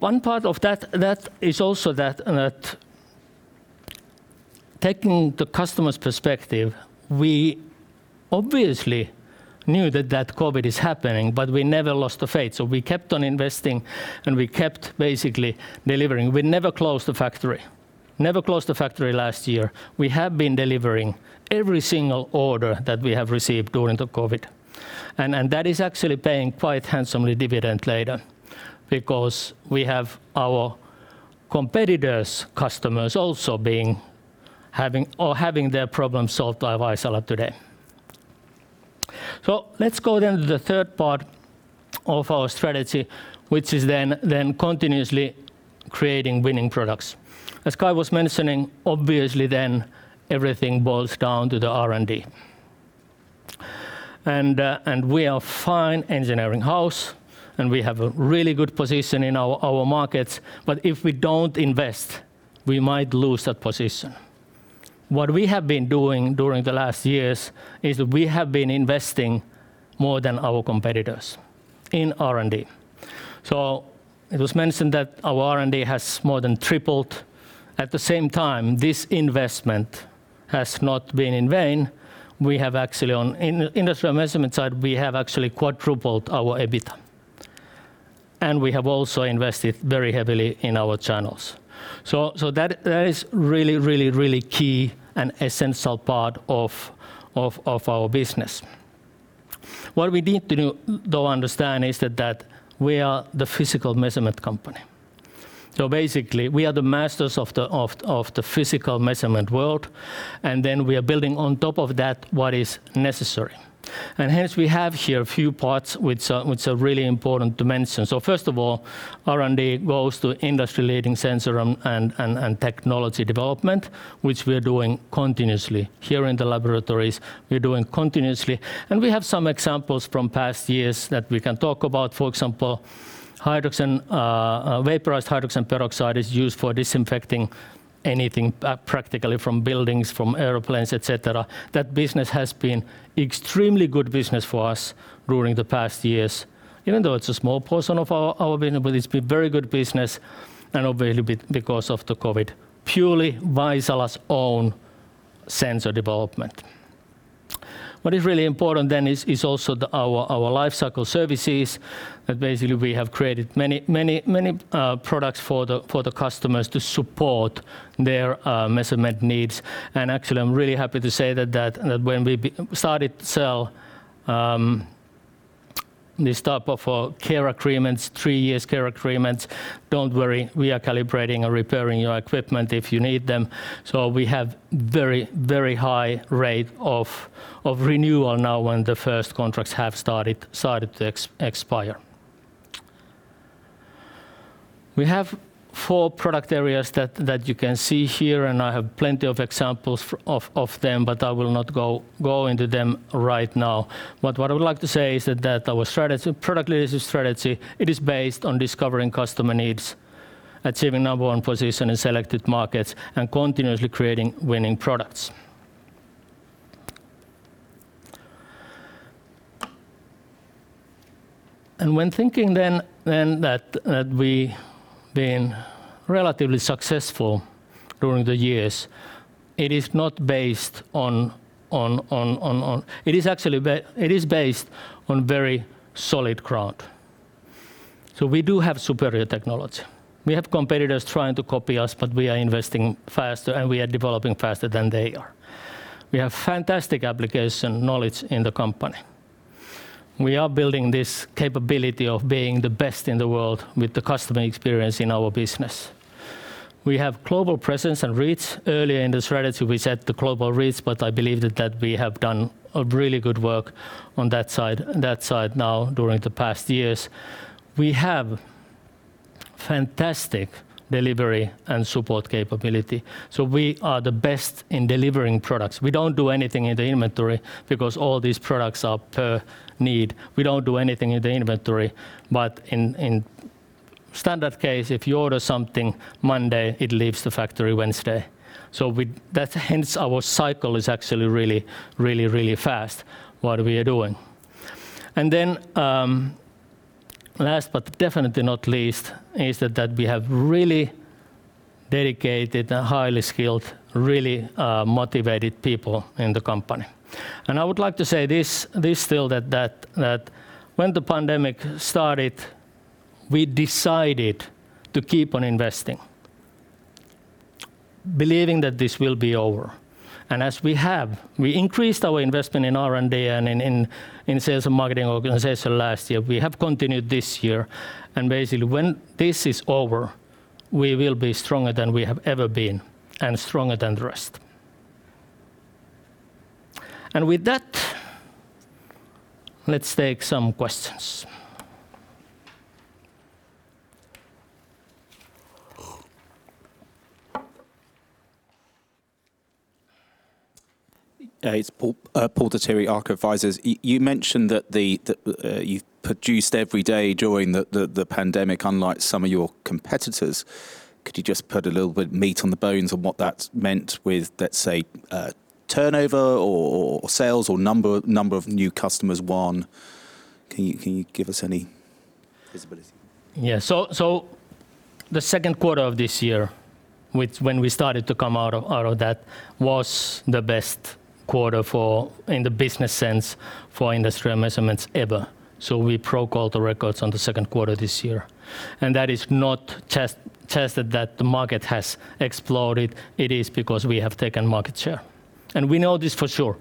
One part of that is also that taking the customer's perspective, we obviously knew that COVID-19 is happening, but we never lost the faith. We kept on investing, and we kept basically delivering. We never closed the factory. Never closed the factory last year. We have been delivering every single order that we have received during the COVID-19. That is actually paying quite handsomely dividend later because we have our competitors' customers also having their problems solved by Vaisala today. Let's go then to the third part of our strategy, which is then continuously creating winning products. As Kai was mentioning, obviously everything boils down to the R&D. We are a fine engineering house, and we have a really good position in our markets. If we don't invest, we might lose that position. What we have been doing during the last years is we have been investing more than our competitors in R&D. It was mentioned that our R&D has more than tripled. At the same time, this investment has not been in vain. We have actually, on industrial measurement side, we have actually quadrupled our EBITDA. We have also invested very heavily in our channels. That is really key and essential part of our business. What we need to understand is that we are the physical measurement company. Basically, we are the masters of the physical measurement world, and we are building on top of that what is necessary. We have here a few parts which are really important to mention. First of all, R&D goes to industry-leading sensor and technology development, which we are doing continuously here in the laboratories. We are doing continuously, and we have some examples from past years that we can talk about. For example, vaporized hydrogen peroxide is used for disinfecting anything practically from buildings, from airplanes, et cetera. That business has been extremely good business for us during the past years. Even though it's a small portion of our business, but it's been very good business, and a little bit because of the COVID-19. Purely Vaisala's own sensor development. What is really important is also our lifecycle services. We have created many products for the customers to support their measurement needs. Actually, I'm really happy to say that when we started to sell this type of care agreements, three years care agreements, don't worry, we are calibrating or repairing your equipment if you need them. We have very high rate of renewal now when the 1st contracts have started to expire. We have four product areas that you can see here, and I have plenty of examples of them, but I will not go into them right now. What I would like to say is that our product leadership strategy, it is based on discovering customer needs, achieving number one position in selected markets, and continuously creating winning products. When thinking then that we've been relatively successful during the years, it is based on very solid ground. We do have superior technology. We have competitors trying to copy us. We are investing faster, we are developing faster than they are. We have fantastic application knowledge in the company. We are building this capability of being the best in the world with the customer experience in our business. We have global presence and reach. Earlier in the strategy, we set the global reach. I believe that we have done a really good work on that side now during the past years. We have fantastic delivery and support capability. We are the best in delivering products. We don't do anything in the inventory because all these products are per need. We don't do anything in the inventory. In standard case, if you order something Monday, it leaves the factory Wednesday. Hence our cycle is actually really fast, what we are doing. Last but definitely not least, is that we have really dedicated and highly skilled, really motivated people in the company. I would like to say this still, that when the pandemic started, we decided to keep on investing, believing that this will be over. As we have, we increased our investment in R&D and in sales and marketing organization last year. We have continued this year. Basically, when this is over, we will be stronger than we have ever been and stronger than the rest. With that, let's take some questions. It is Paul Dettieri, ARK Advisors. You mentioned that you have produced every day during the pandemic unlike some of your competitors. Could you just put a little bit meat on the bones on what that has meant with, let us say, turnover or sales or number of new customers won? Can you give us any visibility? The second quarter of this year, when we started to come out of that, was the best quarter in the business sense for Industrial Measurements ever. We broke all the records on the second quarter this year. That is not just that the market has exploded. It is because we have taken market share. We know this for sure.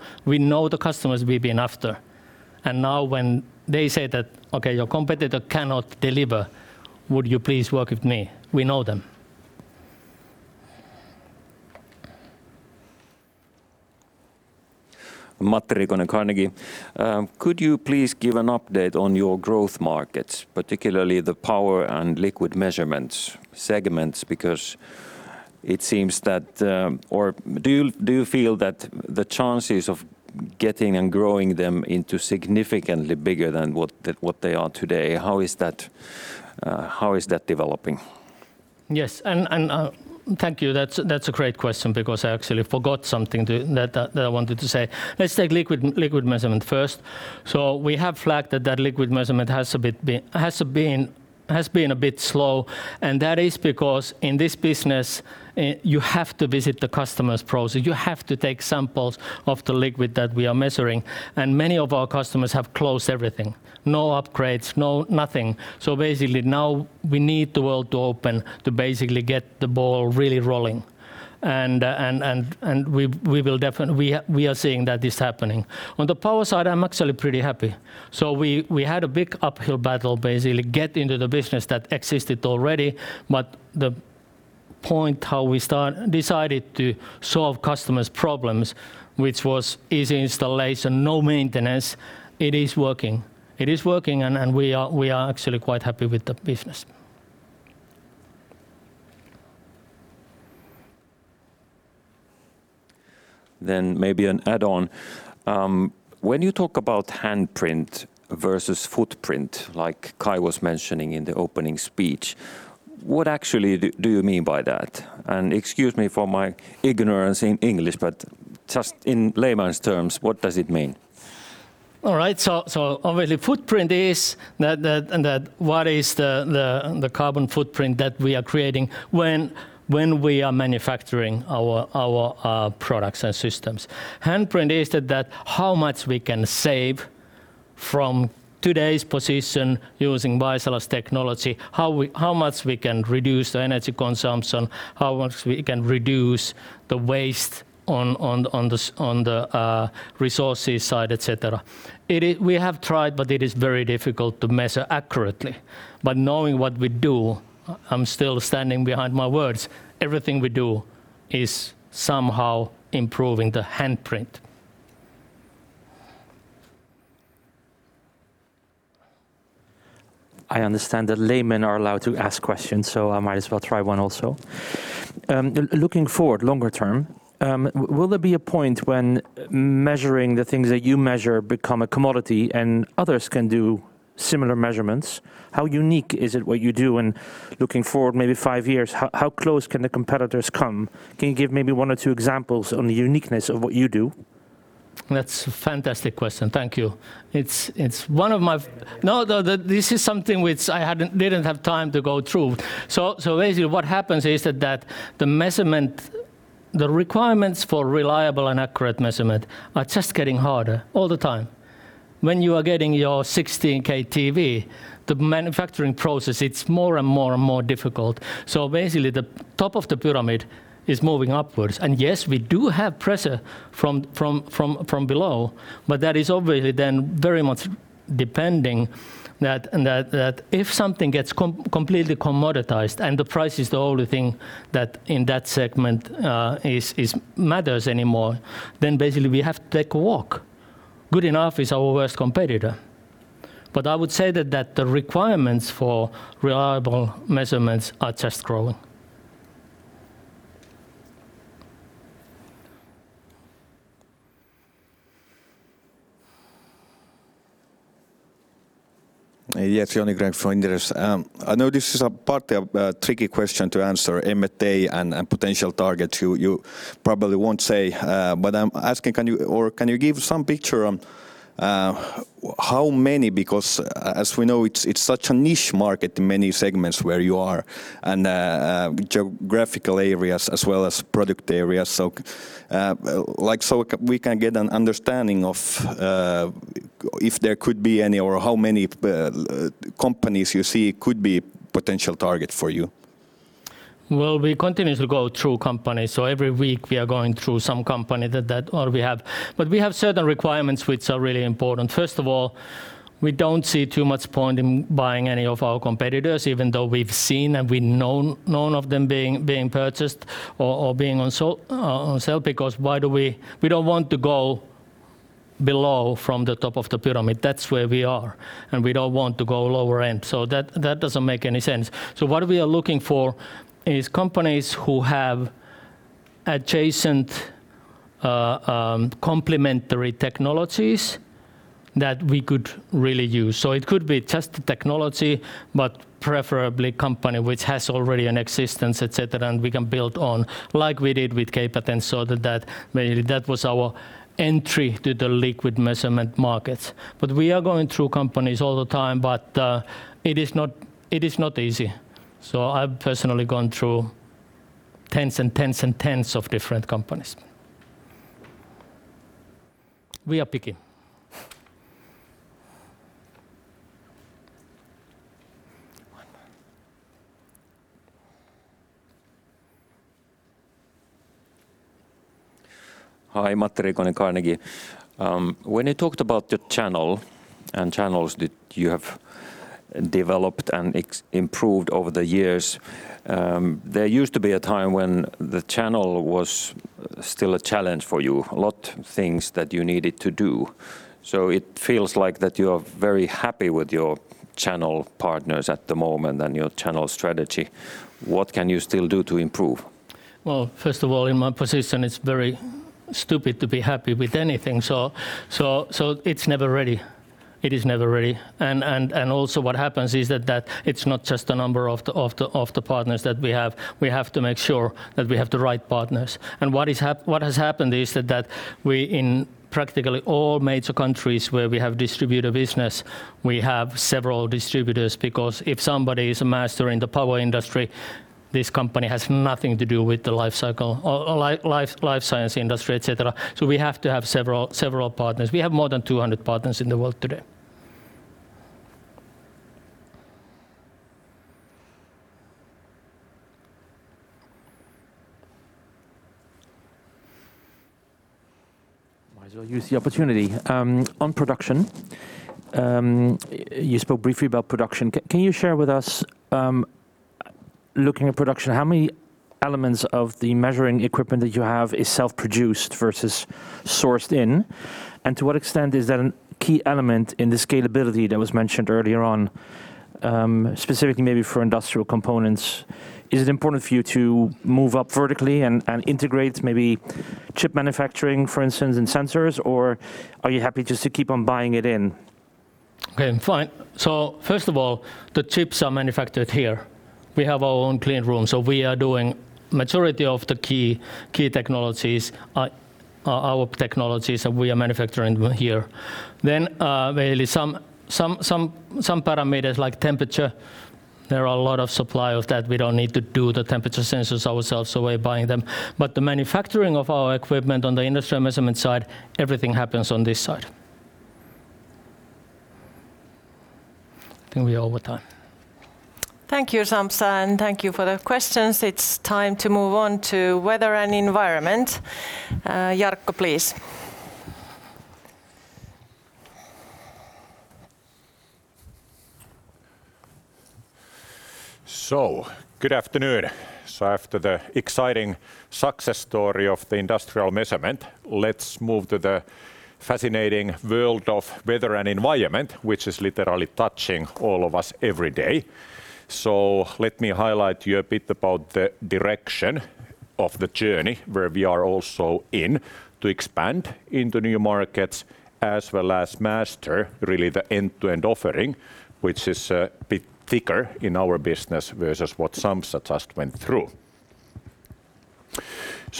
We know the customers we've been after. Now when they say that, "Okay, your competitor cannot deliver, would you please work with me?" We know them. Matti Riikonen, Carnegie. Could you please give an update on your growth markets, particularly the power and liquid measurements segments because it seems that, or do you feel that the chances of getting and growing them into significantly bigger than what they are today, how is that developing? Yes, thank you. That's a great question because I actually forgot something that I wanted to say. Let's take liquid measurement first. We have flagged that that liquid measurement has been a bit slow, and that is because in this business, you have to visit the customer's process. You have to take samples of the liquid that we are measuring, and many of our customers have closed everything. No upgrades, nothing. Basically now we need the world to open to basically get the ball really rolling, and we are seeing that it's happening. On the power side, I am actually pretty happy. We had a big uphill battle basically get into the business that existed already. The point how we decided to solve customers' problems, which was easy installation, no maintenance, it is working. It is working, and we are actually quite happy with the business. Maybe an add-on. When you talk about handprint versus footprint, like Kai was mentioning in the opening speech, what actually do you mean by that? Excuse me for my ignorance in English, but just in layman's terms, what does it mean? All right. Obviously footprint is that what is the carbon footprint that we are creating when we are manufacturing our products and systems. Handprint is that how much we can save from today's position using Vaisala's technology, how much we can reduce the energy consumption, how much we can reduce the waste on the resources side, et cetera. We have tried, but it is very difficult to measure accurately. Knowing what we do, I'm still standing behind my words. Everything we do is somehow improving the handprint. I understand that laymen are allowed to ask questions, so I might as well try one also. Looking forward, longer term, will there be a point when measuring the things that you measure become a commodity and others can do similar measurements? How unique is it what you do? Looking forward maybe five years, how close can the competitors come? Can you give maybe one or two examples on the uniqueness of what you do? That's a fantastic question. Thank you. No, this is something which I didn't have time to go through. Basically, what happens is that the requirements for reliable and accurate measurement are just getting harder all the time. When you are getting your 16K TV, the manufacturing process, it's more and more and more difficult. Basically, the top of the pyramid is moving upwards. Yes, we do have pressure from below, that is obviously very much depending that if something gets completely commoditized and the price is the only thing that in that segment matters anymore, basically we have to take a walk. Good enough is our worst competitor. I would say that the requirements for reliable measurements are just growing. Yes, Joni Grönqvist from Inderes. I know this is a partly a tricky question to answer, M&A and potential targets. You probably won't say, but I'm asking, can you give some picture on how many? Because as we know, it's such a niche market in many segments where you are, and geographical areas as well as product areas. We can get an understanding of if there could be any or how many companies you see could be potential target for you. Well, we continuously go through companies. Every week we are going through some company that, or we have. We have certain requirements which are really important. First of all, we don't see too much point in buying any of our competitors, even though we've seen and we've known of them being purchased or being on sale, because we don't want to go below from the top of the pyramid. That's where we are. We don't want to go lower end. That doesn't make any sense. What we are looking for is companies who have adjacent complementary technologies that we could really use. It could be just the technology, preferably company which has already an existence, et cetera, and we can build on, like we did with K-Patents. That maybe that was our entry to the liquid measurement markets. We are going through companies all the time, but it is not easy. I've personally gone through tens and tens and tens of different companies. We are picky. Hi, Matti Riikonen, Carnegie. When you talked about the channel and channels that you have developed and improved over the years, there used to be a time when the channel was still a challenge for you, a lot of things that you needed to do. So it feels like that you are very happy with your channel partners at the moment and your channel strategy. What can you still do to improve? Well, first of all, in my position, it's very stupid to be happy with anything. It's never ready. It is never ready. Also what happens is that it's not just a number of the partners that we have. We have to make sure that we have the right partners. What has happened is that we, in practically all major countries where we have distributor business, we have several distributors because if somebody is a master in the power industry, this company has nothing to do with the life science industry, et cetera. We have to have several partners. We have more than 200 partners in the world today. Might as well use the opportunity. On production, you spoke briefly about production. Can you share with us, looking at production, how many elements of the measuring equipment that you have is self-produced versus sourced in? To what extent is that a key element in the scalability that was mentioned earlier on, specifically maybe for industrial components? Is it important for you to move up vertically and integrate maybe chip manufacturing, for instance, in sensors? Are you happy just to keep on buying it in? Okay, fine. First of all, the chips are manufactured here. We have our own clean room, so we are doing majority of the key technologies, our technologies that we are manufacturing here. Really some parameters like temperature, there are a lot of supply of that. We don't need to do the temperature sensors ourselves, so we're buying them. The manufacturing of our equipment on the industrial measurement side, everything happens on this side. I think we're over time. Thank you, Sampsa, and thank you for the questions. It's time to move on to Weather and Environment. Jarkko, please. Good afternoon. After the exciting success story of the industrial measurement, let's move to the fascinating world of weather and environment, which is literally touching all of us every day. Let me highlight you a bit about the direction of the journey where we are also in to expand into new markets as well as master really the end-to-end offering, which is a bit thicker in our business versus what Sampsa just went through.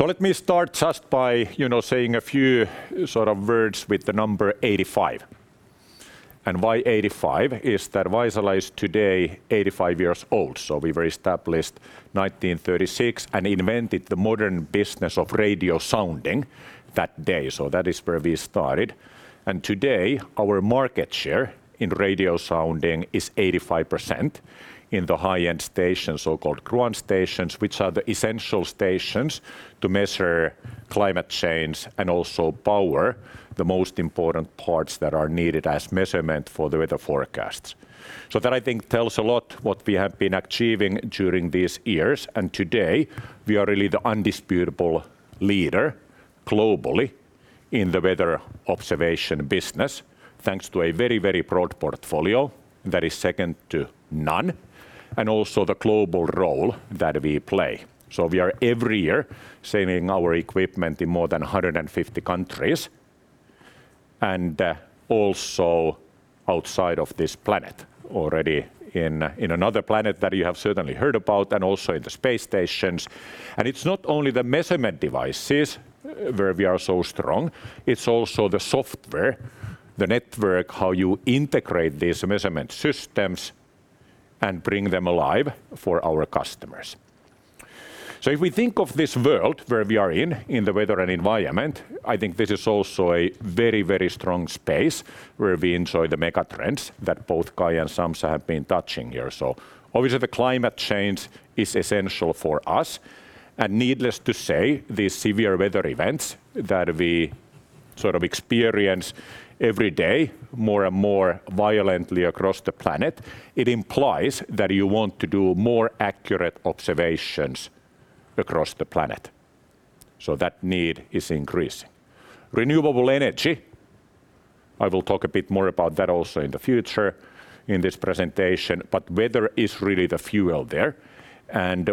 Let me start just by saying a few sort of words with the number 85. Why 85 is that Vaisala is today 85 years old. We were established 1936 and invented the modern business of radio sounding that day. That is where we started. Today, our market share in radio sounding is 85% in the high-end station, so-called ground stations, which are the essential stations to measure climate change and also power, the most important parts that are needed as measurement for the weather forecasts. That I think tells a lot what we have been achieving during these years. Today, we are really the indisputable leader globally in the weather observation business, thanks to a very, very broad portfolio that is second to none, and also the global role that we play. We are every year sending our equipment in more than 150 countries, and also outside of this planet already in another planet that you have certainly heard about and also in the space stations. It's not only the measurement devices where we are so strong, it's also the software, the network, how you integrate these measurement systems and bring them alive for our customers. If we think of this world where we are in the weather and environment, I think this is also a very strong space where we enjoy the mega trends that both Kai and Sampsa have been touching here. Obviously the climate change is essential for us. Needless to say, these severe weather events that we sort of experience every day more and more violently across the planet, it implies that you want to do more accurate observations across the planet. That need is increasing. Renewable energy, I will talk a bit more about that also in the future in this presentation, but weather is really the fuel there.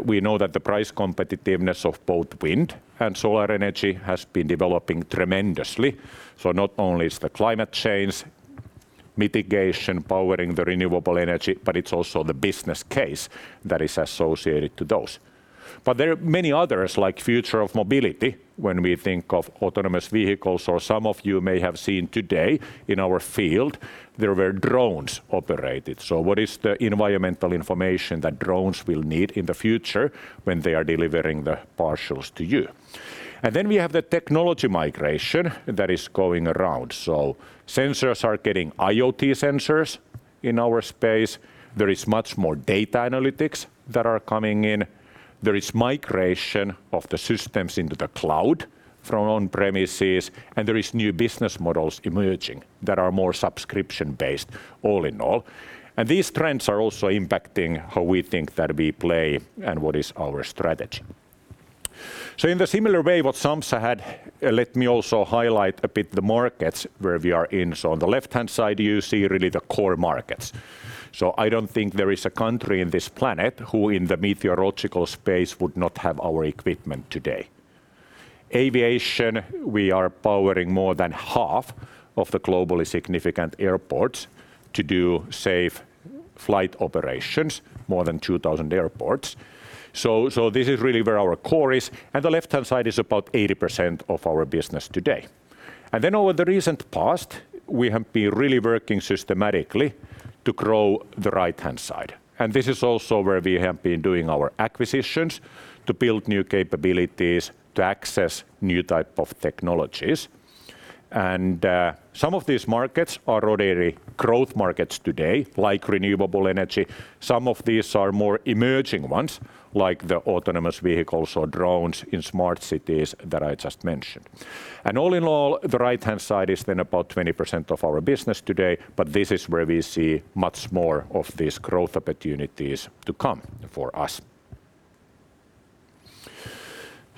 We know that the price competitiveness of both wind and solar energy has been developing tremendously. Not only is the climate change mitigation powering the renewable energy, but it's also the business case that is associated to those. There are many others like future of mobility when we think of autonomous vehicles, or some of you may have seen today in our field, there were drones operated. What is the environmental information that drones will need in the future when they are delivering the parcels to you? Then we have the technology migration that is going around. Sensors are getting IoT sensors in our space. There is much more data analytics that are coming in. There is migration of the systems into the cloud from on-premises, and there are new business models emerging that are more subscription-based all in all. These trends are also impacting how we think that we play and what is our strategy. In the similar way what Sampsa had, let me also highlight a bit the markets where we are in. On the left-hand side, you see really the core markets. I don't think there is a country in this planet who in the meteorological space would not have our equipment today. Aviation, we are powering more than half of the globally significant airports to do safe flight operations, more than 2,000 airports. This is really where our core is, and the left-hand side is about 80% of our business today. Over the recent past, we have been really working systematically to grow the right-hand side. This is also where we have been doing our acquisitions to build new capabilities, to access new type of technologies. Some of these markets are already growth markets today, like renewable energy. Some of these are more emerging ones, like the autonomous vehicles or drones in smart cities that I just mentioned. All in all, the right-hand side is about 20% of our business today, but this is where we see much more of these growth opportunities to come for us.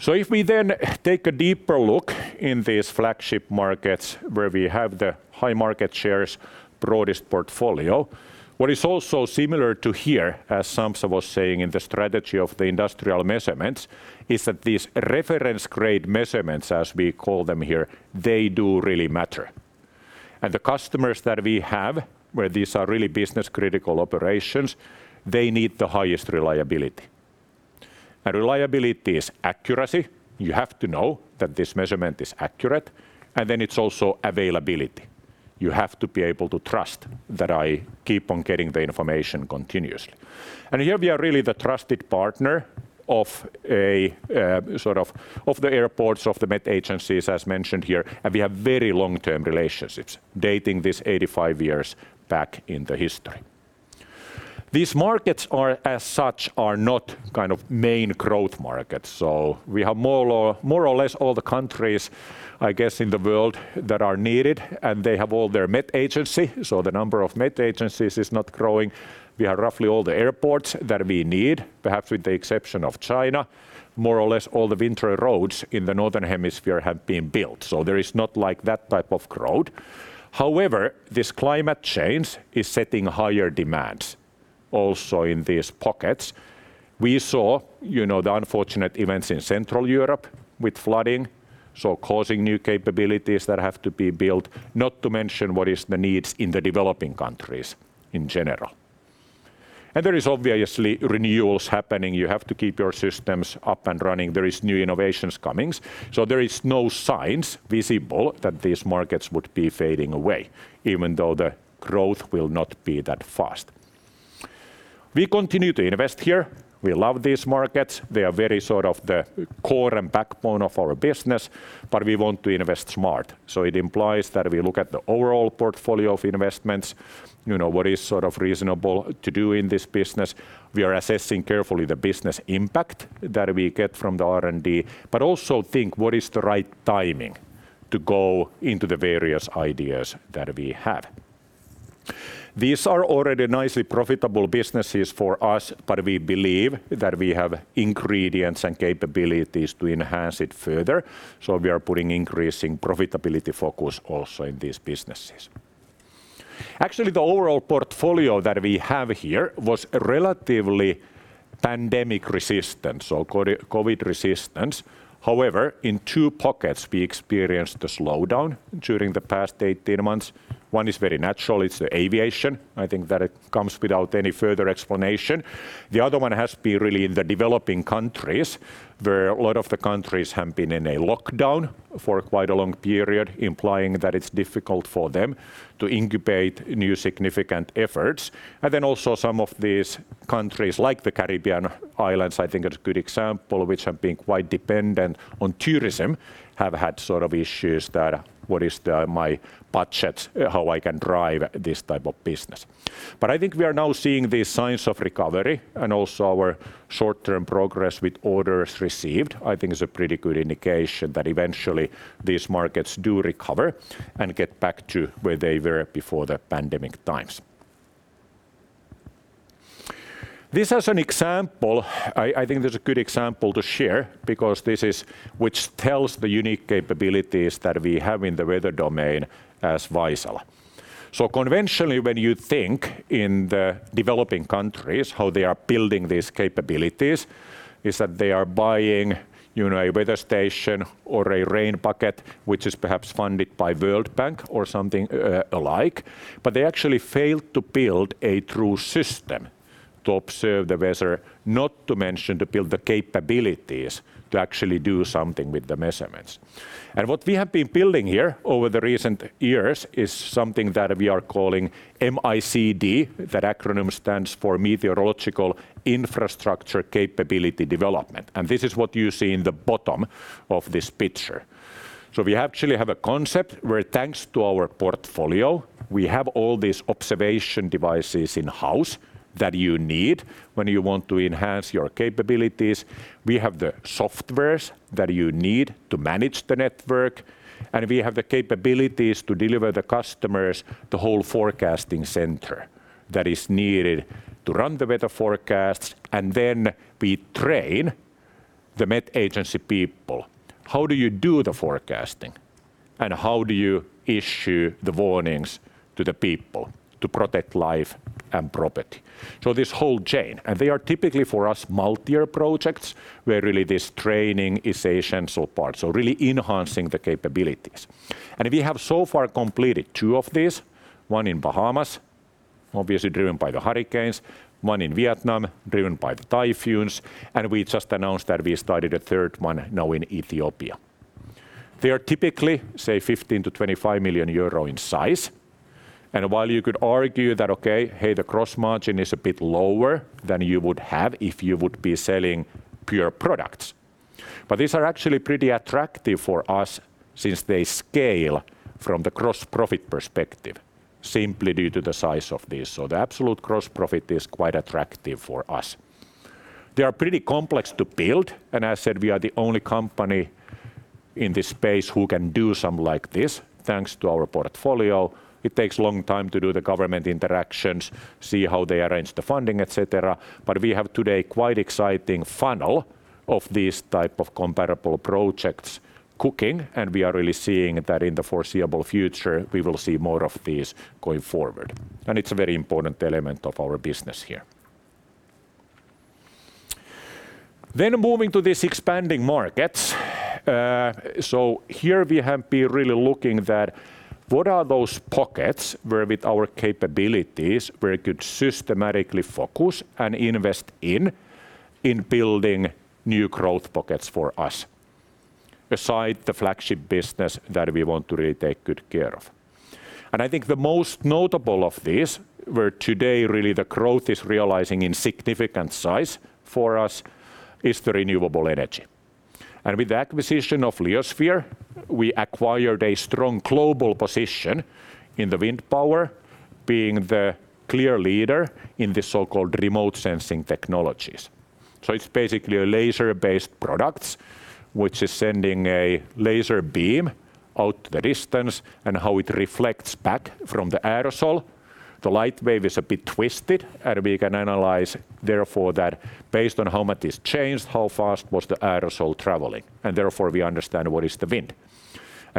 If we take a deeper look in these flagship markets where we have the high market shares, broadest portfolio. What is also similar to here, as Sampsa was saying in the strategy of the industrial measurements, is that these reference-grade measurements, as we call them here, they do really matter. The customers that we have, where these are really business-critical operations, they need the highest reliability. Reliability is accuracy. You have to know that this measurement is accurate. It's also availability. You have to be able to trust that I keep on getting the information continuously. Here we are really the trusted partner of the airports, of the met agencies, as mentioned here, and we have very long-term relationships dating this 85 years back in the history. These markets as such are not kind of main growth markets. We have more or less all the countries, I guess, in the world that are needed, and they have all their met agency. The number of met agencies is not growing. We have roughly all the airports that we need, perhaps with the exception of China. More or less all the winter roads in the northern hemisphere have been built. There is not like that type of growth. However, this climate change is setting higher demands also in these pockets. We saw the unfortunate events in Central Europe with flooding, so causing new capabilities that have to be built, not to mention what is the needs in the developing countries in general. There is obviously renewals happening. You have to keep your systems up and running. There is new innovations comings. There is no signs visible that these markets would be fading away, even though the growth will not be that fast. We continue to invest here. We love these markets. They are very sort of the core and backbone of our business, but we want to invest smart. It implies that we look at the overall portfolio of investments, what is sort of reasonable to do in this business. We are assessing carefully the business impact that we get from the R&D, also think what is the right timing to go into the various ideas that we have. These are already nicely profitable businesses for us, we believe that we have ingredients and capabilities to enhance it further. We are putting increasing profitability focus also in these businesses. Actually, the overall portfolio that we have here was relatively pandemic-resistant, so COVID-resistant. However, in two pockets, we experienced a slowdown during the past 18 months. One is very natural. It's the aviation. I think that it comes without any further explanation. The other one has to be really in the developing countries, where a lot of the countries have been in a lockdown for quite a long period, implying that it's difficult for them to incubate new significant efforts. Also some of these countries, like the Caribbean islands, I think, are a good example, which have been quite dependent on tourism, have had sort of issues that what is my budget, how I can drive this type of business. I think we are now seeing these signs of recovery, and also our short-term progress with orders received, I think is a pretty good indication that eventually these markets do recover and get back to where they were before the pandemic times. This as an example, I think this is a good example to share because this is which tells the unique capabilities that we have in the weather domain as Vaisala. Conventionally, when you think in the developing countries, how they are building these capabilities, is that they are buying a weather station or a rain bucket, which is perhaps funded by World Bank or something alike. They actually failed to build a true system to observe the weather, not to mention to build the capabilities to actually do something with the measurements. What we have been building here over the recent years is something that we are calling MICD. That acronym stands for Meteorological Infrastructure Capability Development. This is what you see in the bottom of this picture. We actually have a concept where thanks to our portfolio, we have all these observation devices in-house that you need when you want to enhance your capabilities. We have the softwares that you need to manage the network, we have the capabilities to deliver the customers the whole forecasting center that is needed to run the weather forecasts. We train the met agency people. How do you do the forecasting? How do you issue the warnings to the people to protect life and property? This whole chain. They are typically, for us, multi-year projects where really this training is essential part, so really enhancing the capabilities. We have so far completed two of these, one in Bahamas, obviously driven by the hurricanes, one in Vietnam, driven by the typhoons. We just announced that we started a third one now in Ethiopia. They are typically, say 15 million-25 million euro in size. While you could argue that, okay, hey, the gross margin is a bit lower than you would have if you would be selling pure products. These are actually pretty attractive for us since they scale from the gross profit perspective simply due to the size of these. The absolute gross profit is quite attractive for us. They are pretty complex to build, as I said, we are the only company in this space who can do something like this, thanks to our portfolio. It takes a long time to do the government interactions, see how they arrange the funding, et cetera. We have today quite exciting funnel of these type of comparable projects cooking. We are really seeing that in the foreseeable future, we will see more of these going forward. It's a very important element of our business here. Moving to this expanding markets. Here we have been really looking that what are those pockets where with our capabilities, where we could systematically focus and invest in building new growth pockets for us beside the flagship business that we want to really take good care of. I think the most notable of these, where today really the growth is realizing in significant size for us is the renewable energy. With the acquisition of Leosphere, we acquired a strong global position in the wind power, being the clear leader in the so-called remote sensing technologies. It's basically a laser-based products, which is sending a laser beam out to the distance and how it reflects back from the aerosol. The light wave is a bit twisted, and we can analyze therefore that based on how much is changed, how fast was the aerosol traveling, and therefore we understand what is the wind.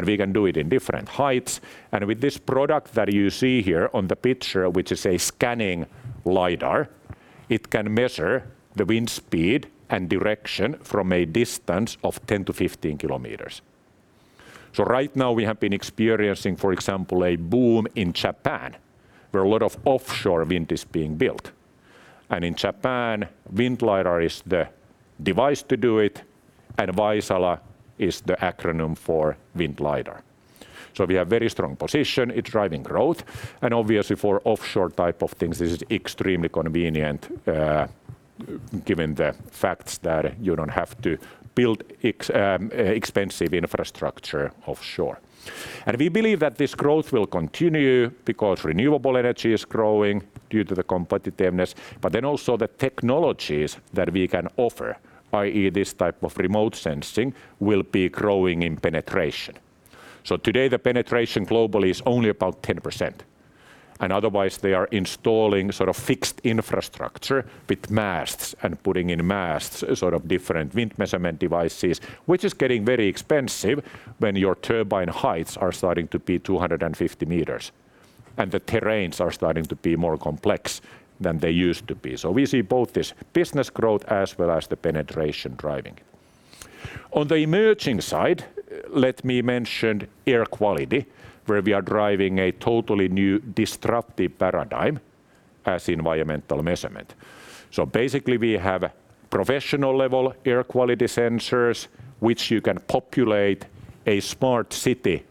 We can do it in different heights. With this product that you see here on the picture, which is a scanning lidar, it can measure the wind speed and direction from a distance of 10 km-15 km. Right now we have been experiencing, for example, a boom in Japan, where a lot of offshore wind is being built. In Japan, wind lidar is the device to do it, and Vaisala is the acronym for wind lidar. We have very strong position. It's driving growth, and obviously for offshore type of things, this is extremely convenient, given the facts that you don't have to build expensive infrastructure offshore. We believe that this growth will continue because renewable energy is growing due to the competitiveness, but then also the technologies that we can offer, i.e., this type of remote sensing, will be growing in penetration. Today, the penetration globally is only about 10%. Otherwise, they are installing sort of fixed infrastructure with masts and putting in masts sort of different wind measurement devices, which is getting very expensive when your turbine heights are starting to be 250 m, and the terrains are starting to be more complex than they used to be. We see both this business growth as well as the penetration driving. On the emerging side, let me mention air quality, where we are driving a totally new disruptive paradigm as environmental measurement. Basically, we have professional-level air quality sensors, which you can populate a smart city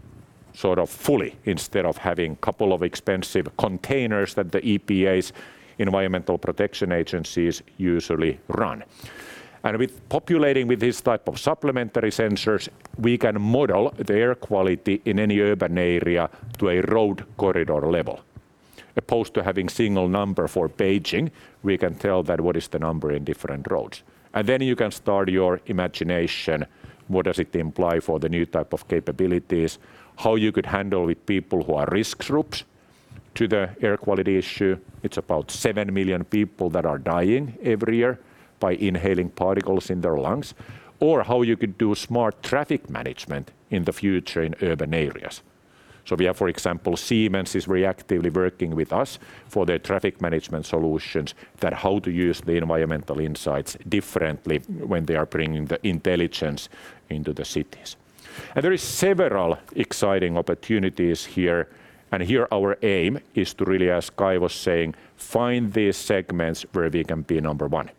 sort of fully instead of having two expensive containers that the EPAs, Environmental Protection Agencies, usually run. With populating with this type of supplementary sensors, we can model the air quality in any urban area to a road corridor level. Opposed to having single number for Beijing, we can tell that what is the number in different roads. Then you can start your imagination, what does it imply for the new type of capabilities, how you could handle with people who are risk groups to the air quality issue. It's about seven million people that are dying every year by inhaling particles in their lungs. How you could do smart traffic management in the future in urban areas. We have, for example, Siemens is reactively working with us for their traffic management solutions that how to use the environmental insights differently when they are bringing the intelligence into the cities. There is several exciting opportunities here. Here our aim is to really, as Kai was saying, find these segments where we can be number one.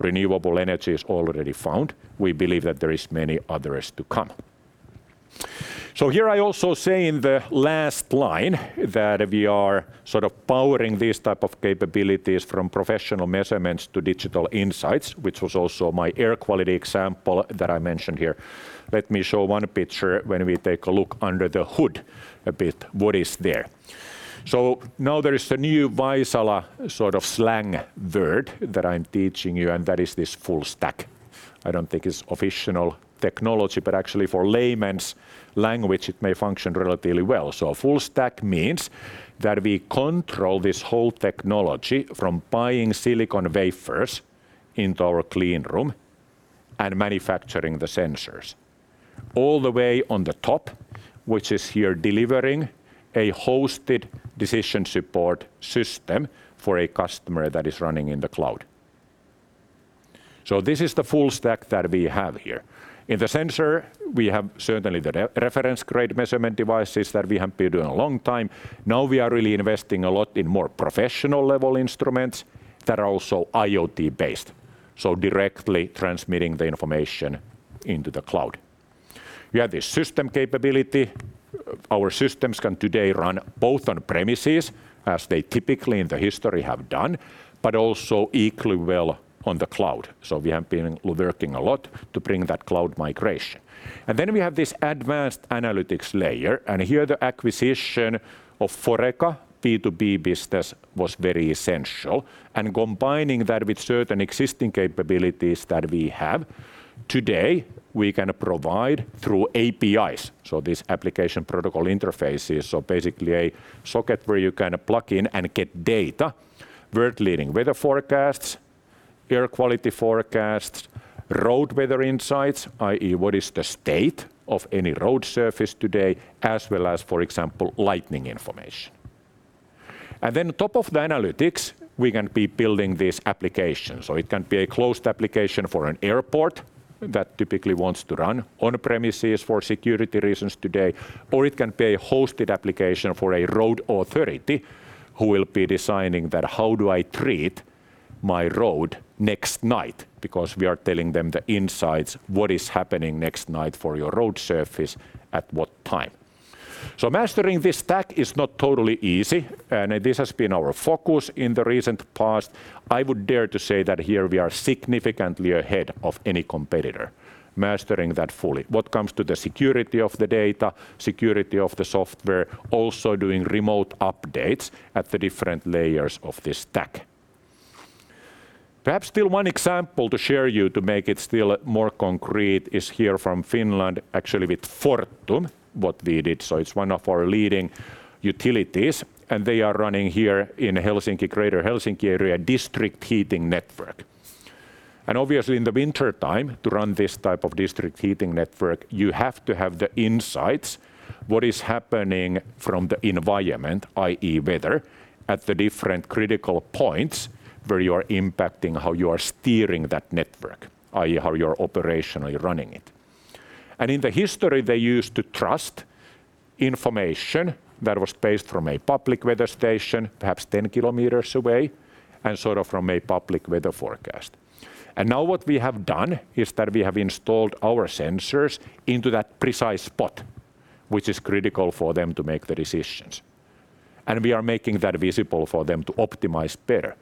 Renewable energy is already found. We believe that there is many others to come. Here I also say in the last line that we are sort of powering these type of capabilities from professional measurements to digital insights, which was also my air quality example that I mentioned here. Let me show one picture when we take a look under the hood a bit, what is there. Now there is a new Vaisala sort of slang word that I'm teaching you, and that is this full-stack. I don't think it's official technology, but actually for layman's language, it may function relatively well. A full-stack means that we control this whole technology from buying silicon wafers into our clean room and manufacturing the sensors all the way on the top, which is here delivering a hosted decision support system for a customer that is running in the cloud. This is the full-stack that we have here. In the sensor, we have certainly the reference grade measurement devices that we have been doing a long time. We are really investing a lot in more professional level instruments that are also IoT based, so directly transmitting the information into the cloud. We have the system capability. Our systems can today run both on premises, as they typically in the history have done, but also equally well on the cloud. We have been working a lot to bring that cloud migration. Then we have this advanced analytics layer, and here the acquisition of Foreca B2B business was very essential. Combining that with certain existing capabilities that we have, today, we can provide through APIs. This application protocol interfaces, so basically a socket where you can plug in and get data, world-leading weather forecasts, air quality forecasts, road weather insights, i.e., what is the state of any road surface today, as well as, for example, lightning information. Then on top of the analytics, we can be building this application. It can be a closed application for an airport that typically wants to run on-premises for security reasons today, or it can be a hosted application for a road authority who will be deciding that how do I treat my road next night? We are telling them the insights, what is happening next night for your road surface at what time. Mastering this stack is not totally easy, and this has been our focus in the recent past. I would dare to say that here we are significantly ahead of any competitor mastering that fully. What comes to the security of the data, security of the software, also doing remote updates at the different layers of this stack. Perhaps still one example to share you to make it still more concrete is here from Finland, actually with Fortum, what we did. It's one of our leading utilities, and they are running here in Helsinki, Greater Helsinki area, district heating network. Obviously in the wintertime, to run this type of district heating network, you have to have the insights, what is happening from the environment, i.e., weather, at the different critical points where you are impacting how you are steering that network, i.e., how you are operationally running it. In the history, they used to trust information that was based from a public weather station perhaps 10 km away and sort of from a public weather forecast. Now what we have done is that we have installed our sensors into that precise spot, which is critical for them to make the decisions. We are making that visible for them to optimize better.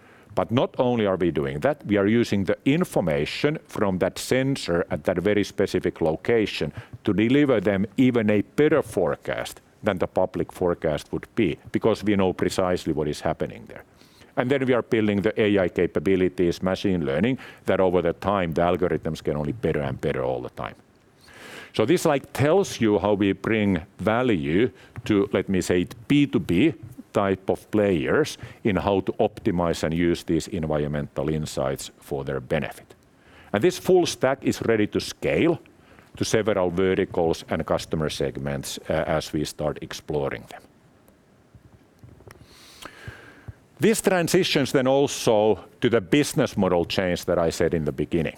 Not only are we doing that, we are using the information from that sensor at that very specific location to deliver them even a better forecast than the public forecast would be because we know precisely what is happening there. We are building the AI capabilities, machine learning, that over the time the algorithms get only better and better all the time. This tells you how we bring value to, let me say, B2B type of players in how to optimize and use these environmental insights for their benefit. This full-stack is ready to scale to several verticals and customer segments as we start exploring them. These transitions also to the business model change that I said in the beginning.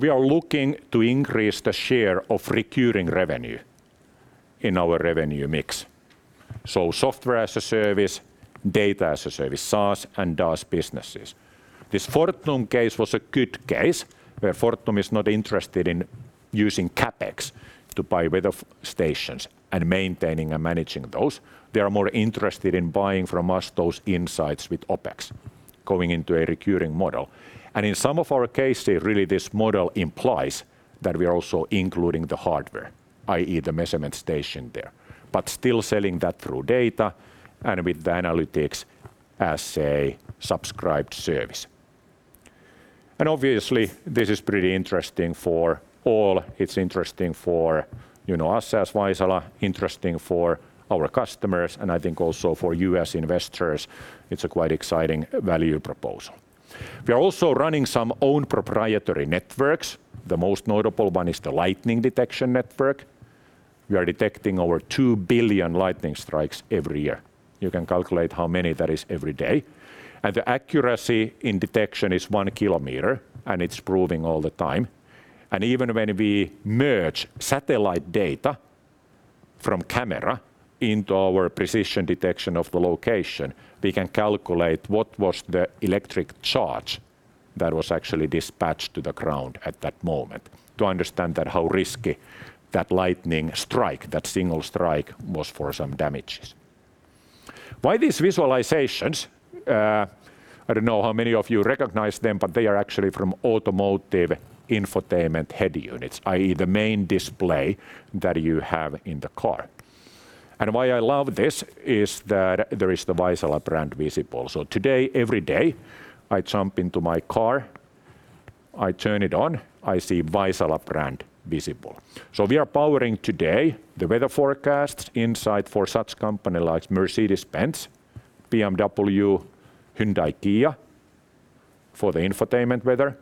We are looking to increase the share of recurring revenue in our revenue mix. Software as a service, data as a service, DaaS and SaaS businesses. This Fortum case was a good case where Fortum is not interested in using CapEx to buy weather stations and maintaining and managing those. They are more interested in buying from us those insights with OpEx going into a recurring model. In some of our cases, really this model implies that we are also including the hardware, i.e., the measurement station there. Still selling that through data and with the analytics as a subscribed service. Obviously, this is pretty interesting for all. It's interesting for us as Vaisala, interesting for our customers, and I think also for you as investors, it's a quite exciting value proposal. We are also running some own proprietary networks. The most notable one is the lightning detection network. We are detecting over two billion lightning strikes every year. You can calculate how many that is every day. The accuracy in detection is 1 km, and it's improving all the time. Even when we merge satellite data from camera into our precision detection of the location, we can calculate what was the electric charge that was actually dispatched to the ground at that moment to understand that how risky that lightning strike, that single strike, was for some damages. Why these visualizations? I don't know how many of you recognize them, but they are actually from automotive infotainment head units, i.e., the main display that you have in the car. Why I love this is that there is the Vaisala brand visible. Today, every day, I jump into my car, I turn it on, I see Vaisala brand visible. We are powering today the weather forecasts inside for such company like Mercedes-Benz, BMW, Hyundai, Kia, for the infotainment weather.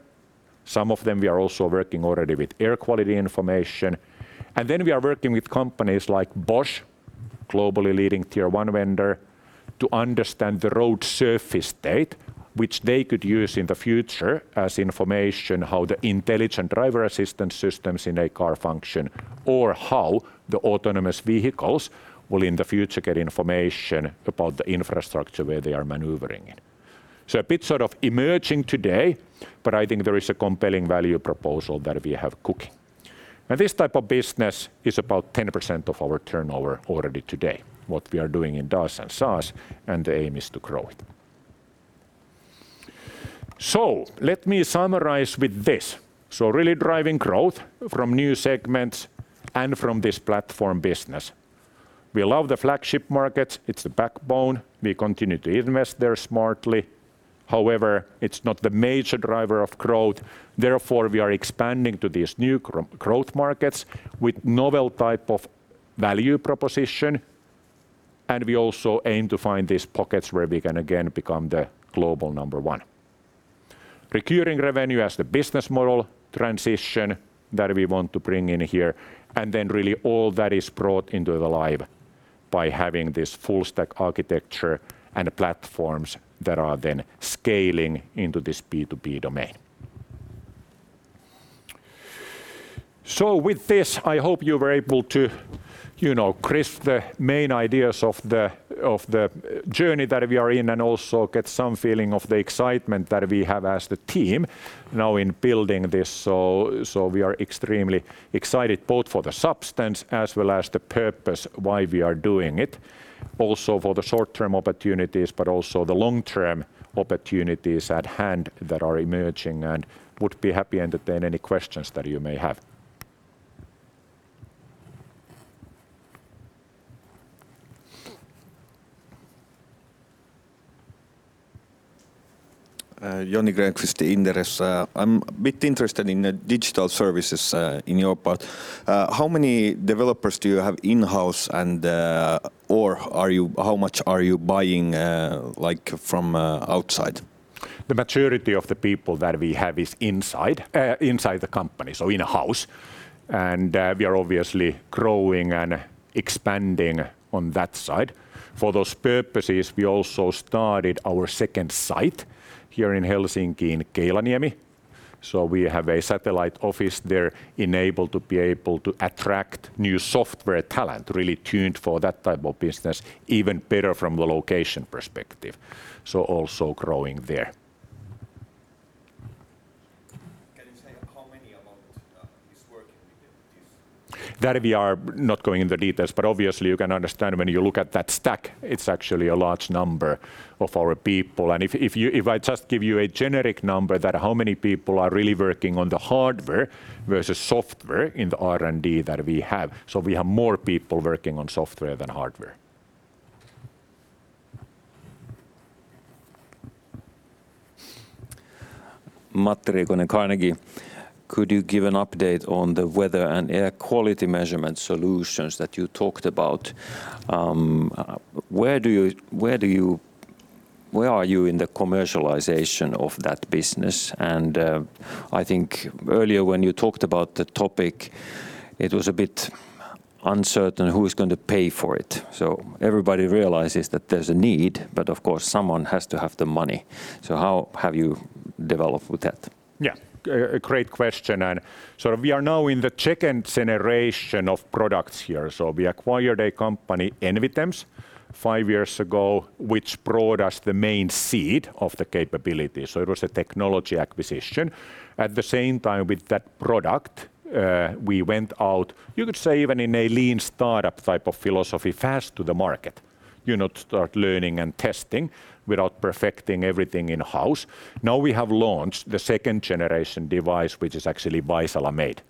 Some of them, we are also working already with air quality information. We are working with companies like Bosch, globally leading tier one vendor, to understand the road surface state, which they could use in the future as information how the intelligent driver assistance systems in a car function, or how the autonomous vehicles will, in the future, get information about the infrastructure where they are maneuvering in. A bit sort of emerging today, but I think there is a compelling value proposal that we have cooking. This type of business is about 10% of our turnover already today, what we are doing in DaaS and SaaS, and the aim is to grow it. Let me summarize with this. Really driving growth from new segments and from this platform business. We love the flagship markets. It's the backbone. We continue to invest there smartly. However, it's not the major driver of growth. Therefore, we are expanding to these new growth markets with novel type of value proposition, and we also aim to find these pockets where we can again become the global number one. Recurring revenue as the business model transition that we want to bring in here, and then really all that is brought into alive by having this full-stack architecture and platforms that are then scaling into this B2B domain. With this, I hope you were able to grasp the main ideas of the journey that we are in and also get some feeling of the excitement that we have as the team now in building this. We are extremely excited both for the substance as well as the purpose why we are doing it, also for the short-term opportunities, but also the long-term opportunities at hand that are emerging. Would be happy to entertain any questions that you may have. Joni Grönqvist, Inderes. I'm a bit interested in the digital services in your part. How many developers do you have in-house or how much are you buying from outside? The maturity of the people that we have is inside the company, so in-house. We are obviously growing and expanding on that side. For those purposes, we also started our second site here in Helsinki in Keilaniemi. We have a satellite office there enabled to be able to attract new software talent really tuned for that type of business, even better from the location perspective. Also growing there. Can you say how many of those is working within this? We are not going in the details, but obviously you can understand when you look at that stack, it's actually a large number of our people. If I just give you a generic number that how many people are really working on the hardware versus software in the R&D that we have, so we have more people working on software than hardware. Matti Riikonen, Carnegie. Could you give an update on the weather and air quality measurement solutions that you talked about? Where are you in the commercialization of that business? I think earlier when you talked about the topic, it was a bit uncertain who is going to pay for it. Everybody realizes that there's a need, but of course, someone has to have the money. How have you developed with that? Yeah. A great question. We are now in the 2nd generation of products here. We acquired a company, Envitems Oy, five years ago, which brought us the main seed of the capability. It was a technology acquisition. At the same time, with that product, we went out, you could say even in a lean startup type of philosophy, fast to the market. You not start learning and testing without perfecting everything in-house. Now we have launched the 2nd generation device, which is actually Vaisala-made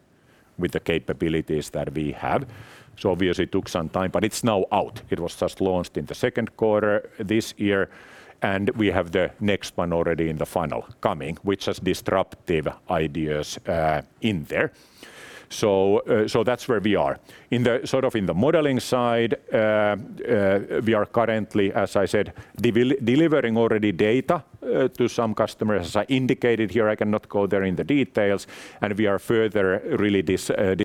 with the capabilities that we have. Obviously it took some time, but it's now out. It was just launched in the 2nd quarter this year, and we have the next one already in the final coming, which has disruptive ideas in there. That's where we are. In the modeling side, we are currently, as I said, delivering already data to some customers. As I indicated here, I cannot go there in the details. We are further really discussing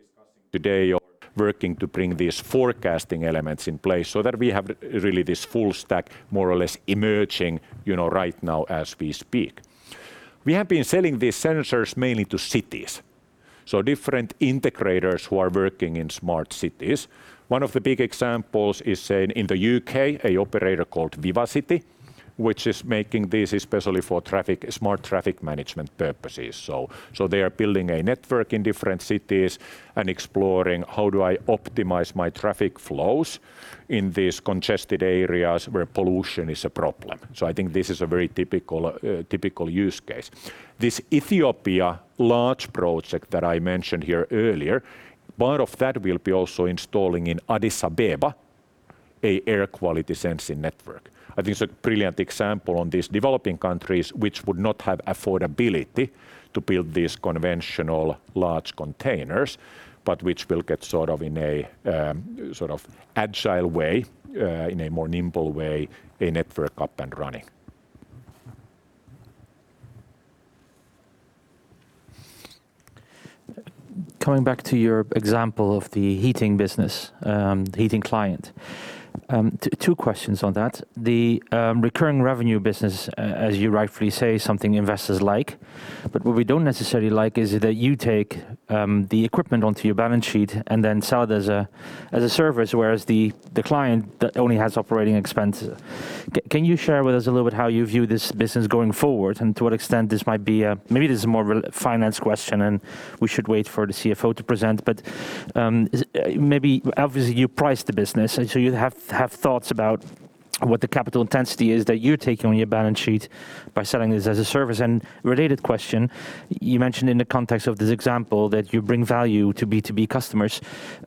today or working to bring these forecasting elements in place so that we have really this full-stack more or less emerging right now as we speak. We have been selling these sensors mainly to cities, so different integrators who are working in smart cities. One of the big examples is saying in the U.K., an operator called VivaCity, which is making this especially for smart traffic management purposes. They are building a network in different cities and exploring, "How do I optimize my traffic flows in these congested areas where pollution is a problem?" I think this is a very typical use case. This Ethiopia large project that I mentioned here earlier, part of that will be also installing in Addis Ababa air quality sensing network. I think it's a brilliant example on these developing countries, which would not have affordability to build these conventional large containers, but which will get in a agile way, in a more nimble way, a network up and running. Coming back to your example of the heating business, heating client. Two questions on that. The recurring revenue business, as you rightfully say, something investors like, but what we don't necessarily like is that you take the equipment onto your balance sheet and then sell it as a service, whereas the client that only has operating expenses. Can you share with us a little bit how you view this business going forward and to what extent this might be. Maybe this is more of a finance question, and we should wait for the CFO to present, but maybe obviously you price the business, and so you have to have thoughts about what the capital intensity is that you're taking on your balance sheet by selling this as a service. Related question, you mentioned in the context of this example that you bring value to B2B customers.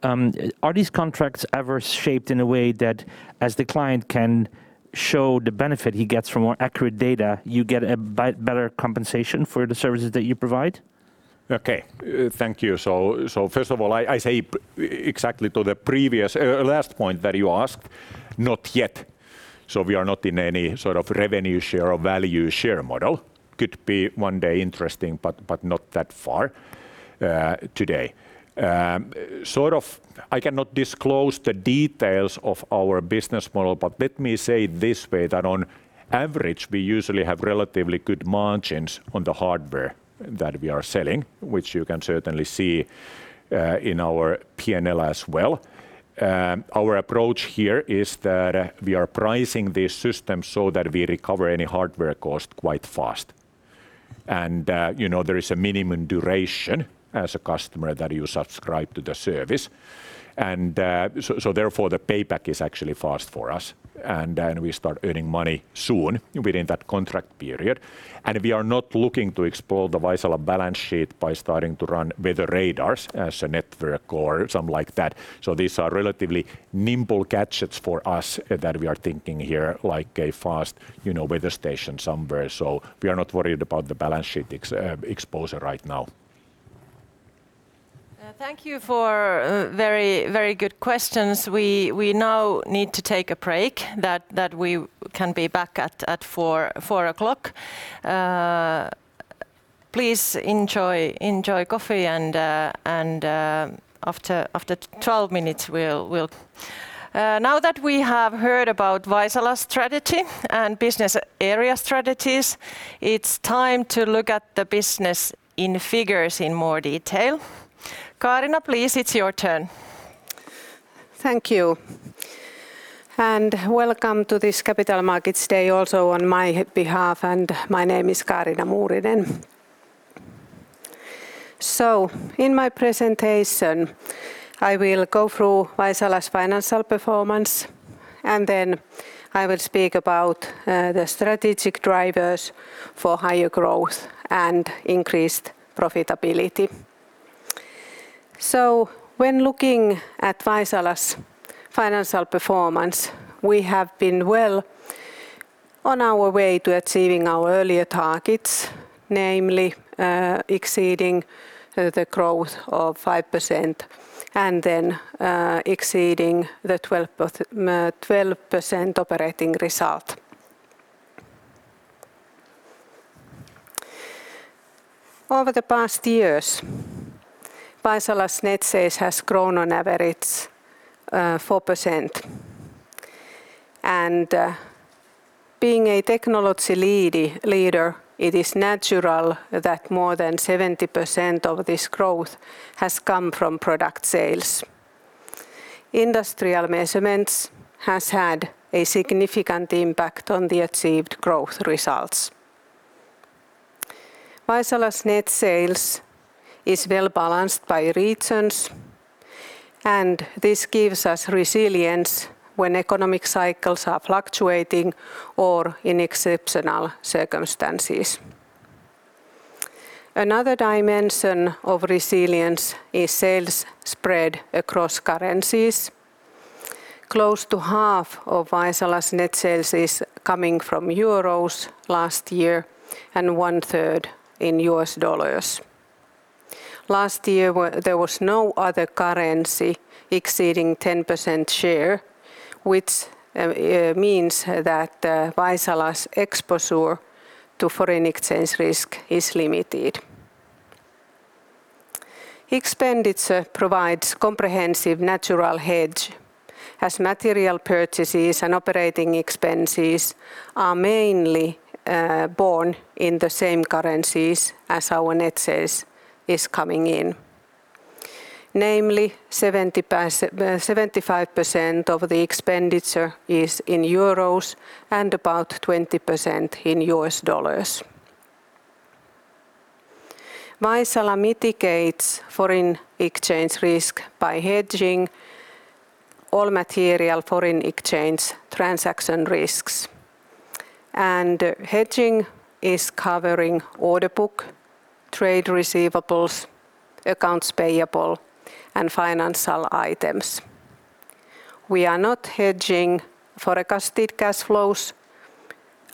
Are these contracts ever shaped in a way that as the client can show the benefit he gets from more accurate data, you get a better compensation for the services that you provide? Okay. Thank you. First of all, I say exactly to the previous last point that you asked, not yet. We are not in any sort of revenue share or value share model. Could be one day interesting, but not that far today. I cannot disclose the details of our business model, but let me say this way, that on average, we usually have relatively good margins on the hardware that we are selling, which you can certainly see in our P&L as well. Our approach here is that we are pricing the system so that we recover any hardware cost quite fast. There is a minimum duration as a customer that you subscribe to the service, therefore the payback is actually fast for us. We start earning money soon within that contract period. We are not looking to explore the Vaisala balance sheet by starting to run weather radars as a network or something like that. These are relatively nimble gadgets for us that we are thinking here, like a fast weather station somewhere. We are not worried about the balance sheet exposure right now. Thank you for very good questions. We now need to take a break that we can be back at 4:00. Please enjoy coffee. Now that we have heard about Vaisala's strategy and business area strategies, it's time to look at the business in figures in more detail. Kaarina, please, it's your turn. Thank you, and welcome to this Capital Markets Day also on my behalf, and my name is Kaarina Muurinen. In my presentation, I will go through Vaisala's financial performance. I will speak about the strategic drivers for higher growth and increased profitability. When looking at Vaisala's financial performance, we have been well on our way to achieving our earlier targets, namely exceeding the growth of 5% and then exceeding the 12% operating result. Over the past years, Vaisala's net sales has grown on average 4%. Being a technology leader, it is natural that more than 70% of this growth has come from product sales. Industrial Measurements has had a significant impact on the achieved growth results. Vaisala's net sales is well-balanced by regions. This gives us resilience when economic cycles are fluctuating or in exceptional circumstances. Another dimension of resilience is sales spread across currencies. Close to half of Vaisala's net sales is coming from EUR last year and one-third in USD. Last year, there was no other currency exceeding 10% share, which means that Vaisala's exposure to foreign exchange risk is limited. Expenditure provides comprehensive natural hedge as material purchases and operating expenses are mainly borne in the same currencies as our net sales is coming in. Namely, 75% of the expenditure is in EUR and about 20% in USD. Vaisala mitigates foreign exchange risk by hedging all material foreign exchange transaction risks. Hedging is covering order book, trade receivables, accounts payable, and financial items. We are not hedging forecasted cash flows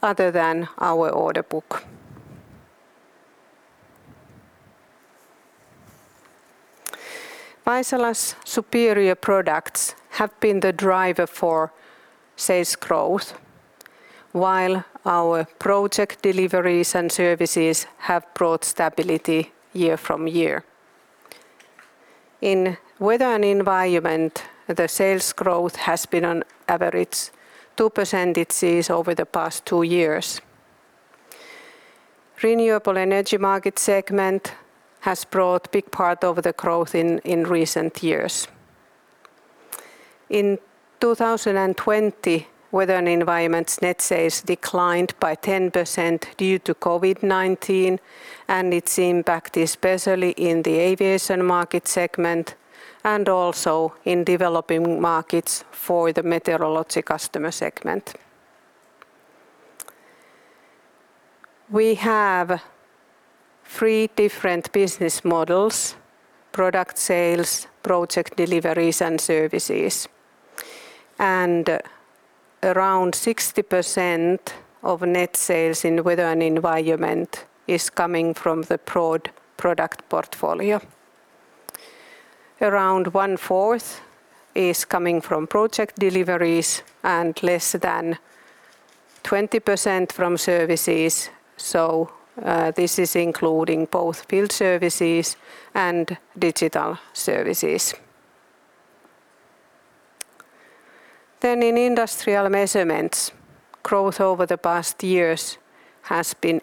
other than our order book. Vaisala's superior products have been the driver for sales growth, while our project deliveries and services have brought stability year from year. In weather and environment, the sales growth has been on average 2% over the past two years. Renewable energy market segment has brought big part of the growth in recent years. In 2020, weather and environment net sales declined by 10% due to COVID-19 and its impact especially in the aviation market segment and also in developing markets for the meteorology customer segment. We have three different business models: product sales, project deliveries, and services. Around 60% of net sales in weather and environment is coming from the product portfolio. Around 1/4 is coming from project deliveries and less than 20% from services. This is including both field services and digital services. In industrial measurements, growth over the past years has been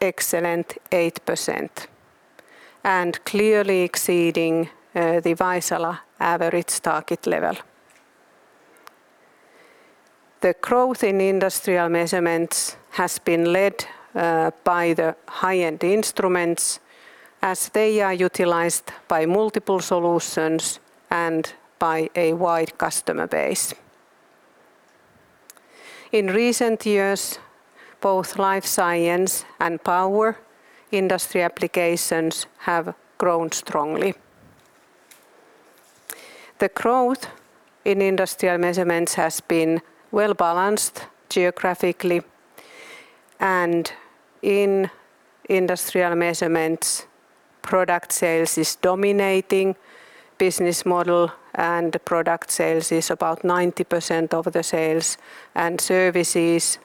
excellent 8% and clearly exceeding the Vaisala average target level. The growth in industrial measurements has been led by the high-end instruments as they are utilized by multiple solutions and by a wide customer base. In recent years, both life science and power industry applications have grown strongly. The growth in industrial measurements has been well-balanced geographically and in industrial measurements, product sales is dominating business model, and product sales is about 90% of the sales, and services,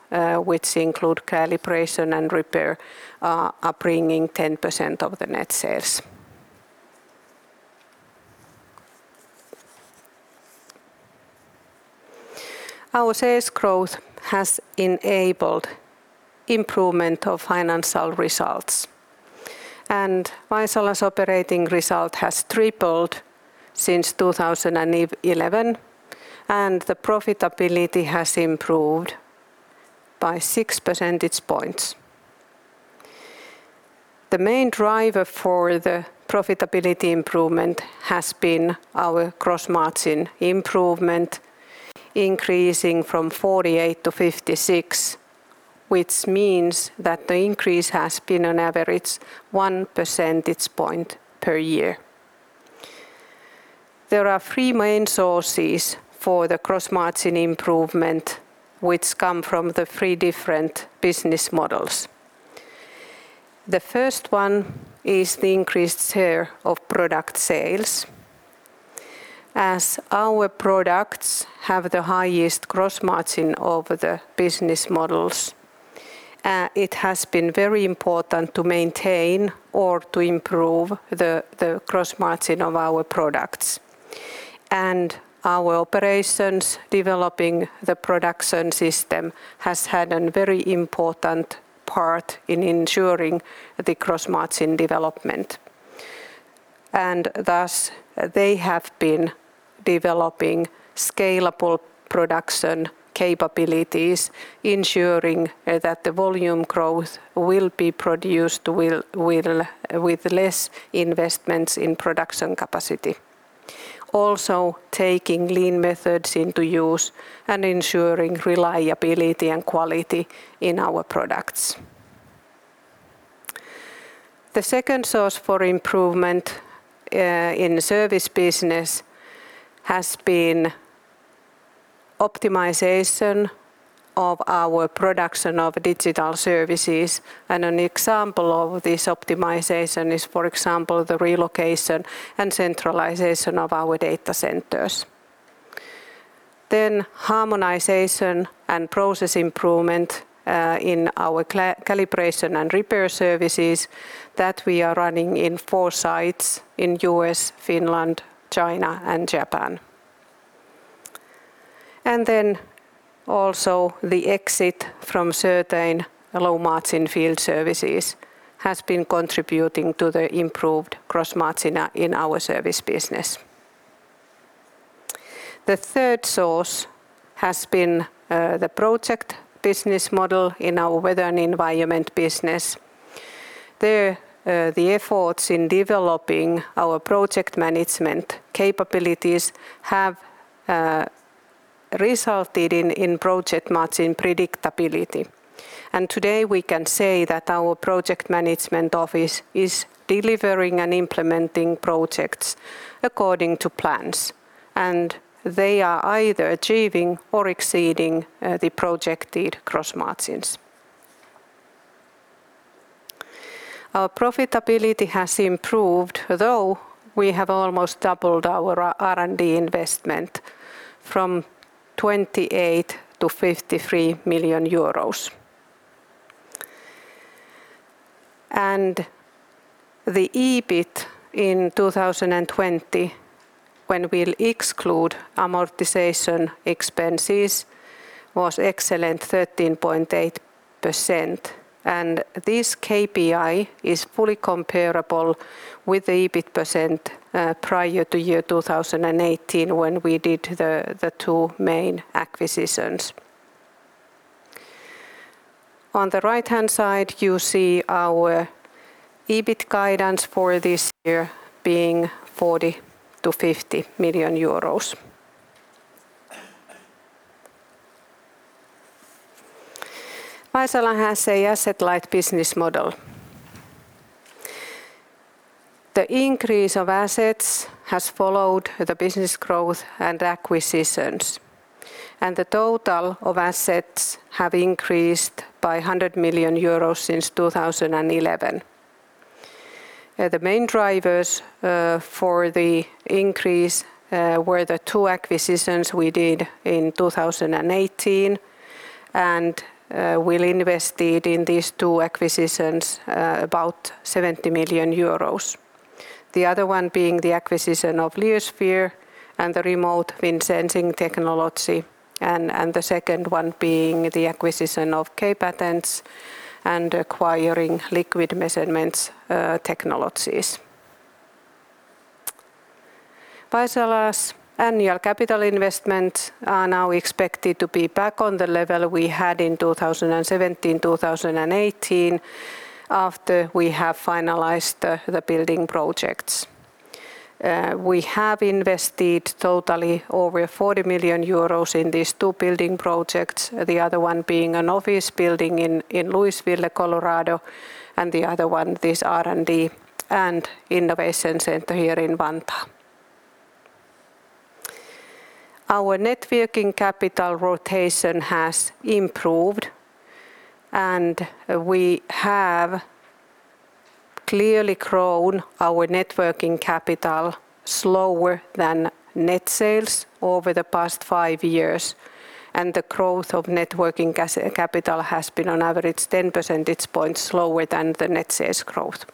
which include calibration and repair, are bringing 10% of the net sales. Our sales growth has enabled improvement of financial results. Vaisala's operating result has tripled since 2011. The profitability has improved by 6 percentage points. The main driver for the profitability improvement has been our gross margin improvement increasing from 48%-56%, which means that the increase has been on average 1 percentage point per year. There are three main sources for the gross margin improvement, which come from the three different business models. The first one is the increased share of product sales. As our products have the highest gross margin over the business models, it has been very important to maintain or to improve the gross margin of our products. Our operations developing the Vaisala Production System has had an very important part in ensuring the gross margin development, and thus they have been developing scalable production capabilities, ensuring that the volume growth will be produced with less investments in production capacity. Also, taking lean methods into use and ensuring reliability and quality in our products. The second source for improvement in service business has been optimization of our production of digital services, and an example of this optimization is, for example, the relocation and centralization of our data centers. Harmonization and process improvement in our calibration and repair services that we are running in four sites in U.S., Finland, China, and Japan. Also the exit from certain low-margin field services has been contributing to the improved gross margin in our service business. The third source has been the project business model in our Weather and Environment Business. There, the efforts in developing our project management capabilities have resulted in project margin predictability. Today we can say that our project management office is delivering and implementing projects according to plans, and they are either achieving or exceeding the projected gross margins. Our profitability has improved, although we have almost doubled our R&D investment from EUR 28 million-EUR 53 million. The EBIT in 2020, when we'll exclude amortization expenses, was excellent 13.8%. This KPI is fully comparable with the EBIT % prior to 2018 when we did the two main acquisitions. On the right-hand side, you see our EBIT guidance for this year being 40 million-50 million euros. Vaisala has a asset-light business model. The increase of assets has followed the business growth and acquisitions, the total of assets have increased by 100 million euros since 2011. The main drivers for the increase were the two acquisitions we did in 2018, we invested in these two acquisitions about 70 million euros. The other one being the acquisition of Leosphere and the remote wind sensing technology, the second one being the acquisition of K-Patents and acquiring liquid measurements technologies. Vaisala's annual capital investment are now expected to be back on the level we had in 2017, 2018 after we have finalized the building projects. We have invested over 40 million euros in these two building projects, the other one being an office building in Louisville, Colorado, and the other one, this R&D and innovation center here in Vantaa. Our net working capital rotation has improved. We have clearly grown our net working capital slower than net sales over the past five years. The growth of net working capital has been on average 10 percentage points slower than the net sales growth.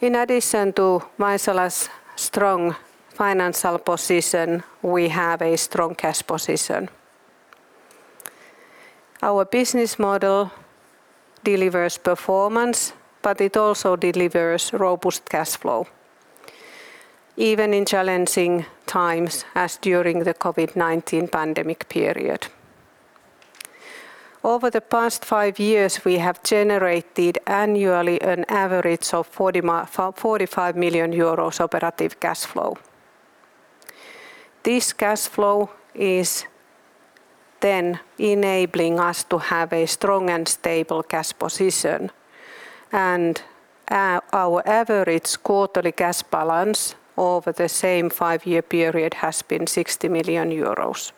In addition to Vaisala's strong financial position, we have a strong cash position. Our business model delivers performance. It also delivers robust cash flow, even in challenging times as during the COVID-19 pandemic period. Over the past five years, we have generated annually an average of 45 million euros operative cash flow. This cash flow is enabling us to have a strong and stable cash position, and our average quarterly cash balance over the same five-year period has been 60 million euros.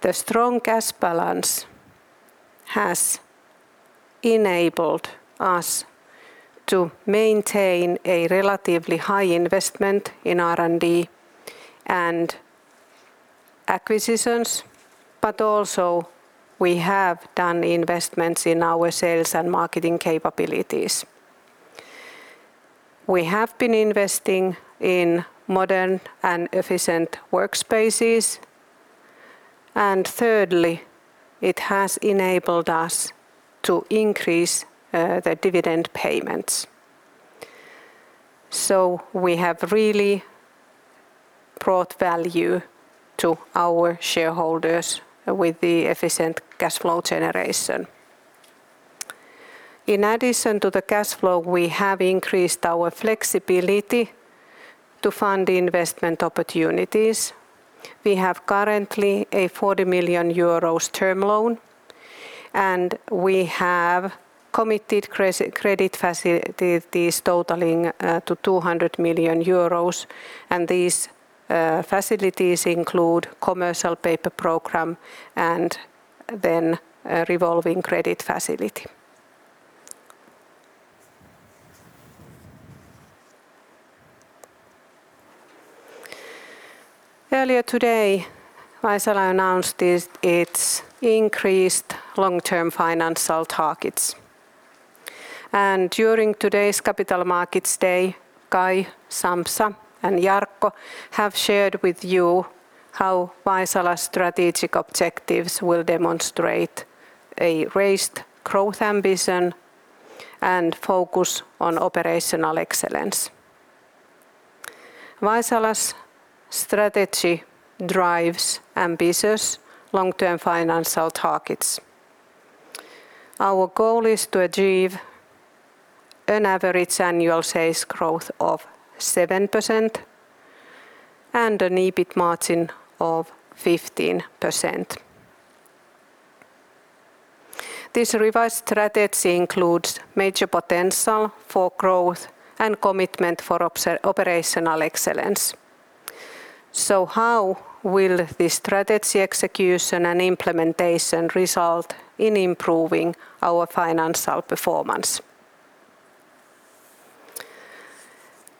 The strong cash balance has enabled us to maintain a relatively high investment in R&D and acquisitions, but also we have done investments in our sales and marketing capabilities. We have been investing in modern and efficient workspaces, and thirdly, it has enabled us to increase the dividend payments. We have really brought value to our shareholders with the efficient cash flow generation. In addition to the cash flow, we have increased our flexibility to fund investment opportunities. We have currently a 40 million euros term loan, and we have committed credit facilities totaling to 200 million euros, and these facilities include commercial paper program and then a revolving credit facility. Earlier today, Vaisala announced its increased long-term financial targets. During today's Capital Markets Day, Kai, Sampsa, and Jarkko have shared with you how Vaisala's strategic objectives will demonstrate a raised growth ambition and focus on operational excellence. Vaisala's strategy drives ambitious long-term financial targets. Our goal is to achieve an average annual sales growth of 7% and an EBIT margin of 15%. This revised strategy includes major potential for growth and commitment for operational excellence. How will this strategy execution and implementation result in improving our financial performance?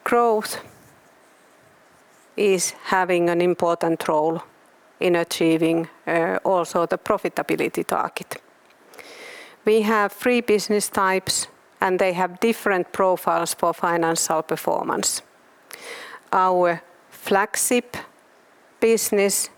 Growth is having an important role in achieving also the profitability target. We have three business types, and they have different profiles for financial performance. Our flagship business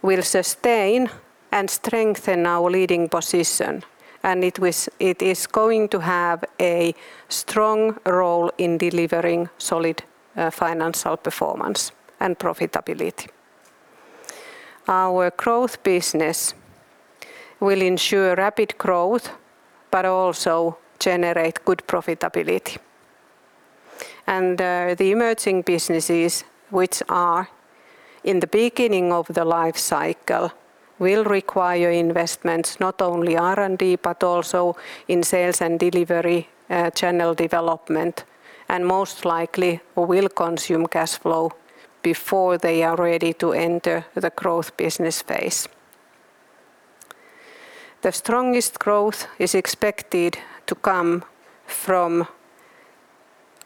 will sustain and strengthen our leading position, and it is going to have a strong role in delivering solid financial performance and profitability. Our growth business will ensure rapid growth but also generate good profitability. The emerging businesses which are in the beginning of the life cycle will require investments, not only R&D, but also in sales and delivery channel development, and most likely will consume cash flow before they are ready to enter the growth business phase. The strongest growth is expected to come from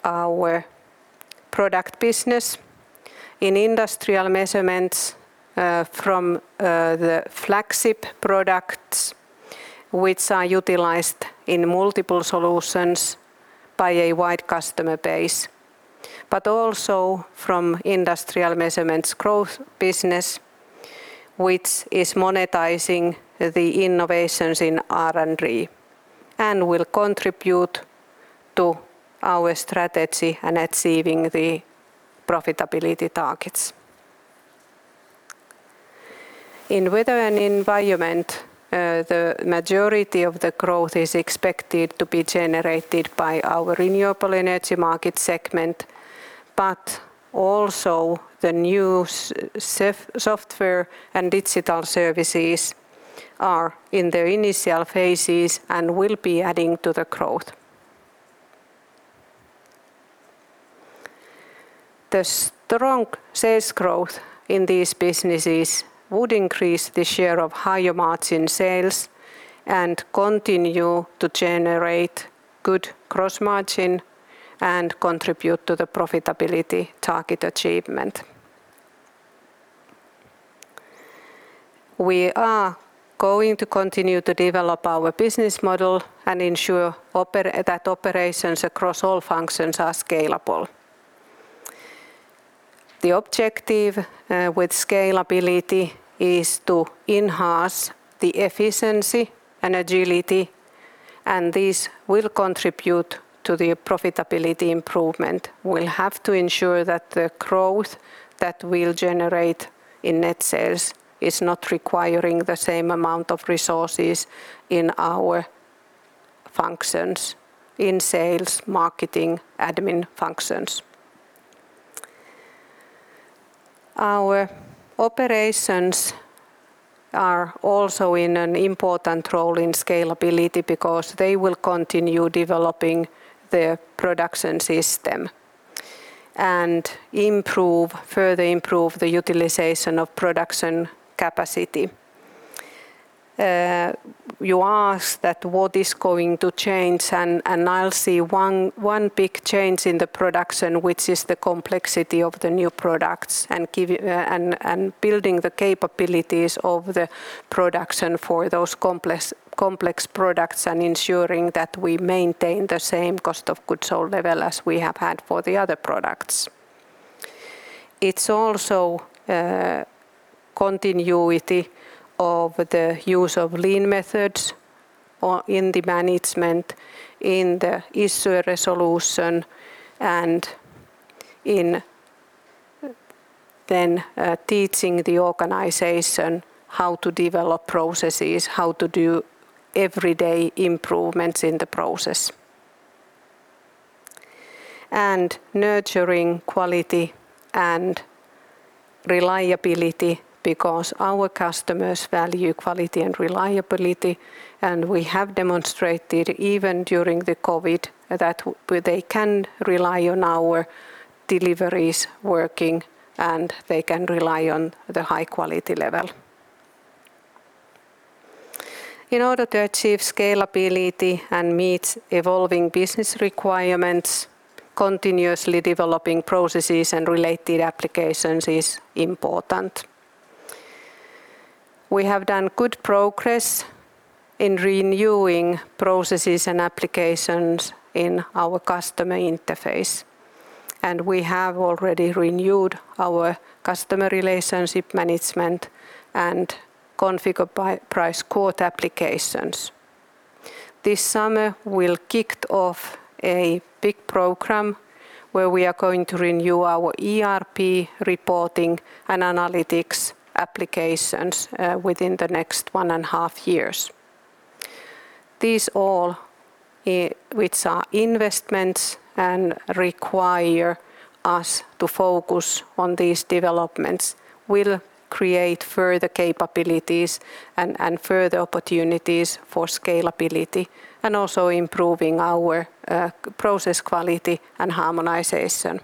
our product business in industrial measurements, from the flagship products, which are utilized in multiple solutions by a wide customer base. Also from industrial measurements growth business, which is monetizing the innovations in R&D and will contribute to our strategy and achieving the profitability targets. In weather and environment, the majority of the growth is expected to be generated by our renewable energy market segment, but also the new software and digital services are in their initial phases and will be adding to the growth. The strong sales growth in these businesses would increase the share of higher margin sales and continue to generate good gross margin and contribute to the profitability target achievement. We are going to continue to develop our business model and ensure that operations across all functions are scalable. The objective with scalability is to enhance the efficiency and agility, and this will contribute to the profitability improvement. We'll have to ensure that the growth that we'll generate in net sales is not requiring the same amount of resources in our functions, in sales, marketing, admin functions. Our operations are also in an important role in scalability because they will continue developing their Vaisala Production System and further improve the utilization of production capacity. You ask that what is going to change, and I'll see one big change in the production, which is the complexity of the new products, and building the capabilities of the production for those complex products and ensuring that we maintain the same cost of goods sold level as we have had for the other products. It's also continuity of the use of lean methods in the management, in the issue resolution, then teaching the organization how to develop processes, how to do everyday improvements in the process. Nurturing quality and reliability because our customers value quality and reliability, and we have demonstrated even during the COVID-19 that they can rely on our deliveries working, and they can rely on the high quality level. In order to achieve scalability and meet evolving business requirements, continuously developing processes and related applications is important. We have done good progress in renewing processes and applications in our customer interface. We have already renewed our customer relationship management and configure price quote applications. This summer, we'll kick off a big program where we are going to renew our ERP reporting and analytics applications within the next one and a half years. These all, which are investments and require us to focus on these developments, will create further capabilities and further opportunities for scalability, and also improving our process quality and harmonization.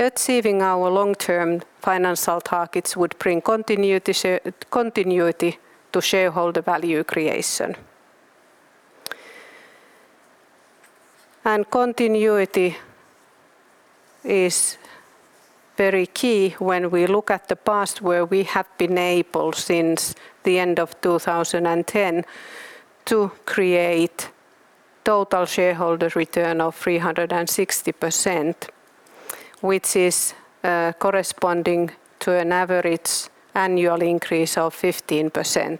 Achieving our long-term financial targets would bring continuity to shareholder value creation. Continuity is very key when we look at the past, where we have been able, since the end of 2010, to create total shareholder return of 360%, which is corresponding to an average annual increase of 15%.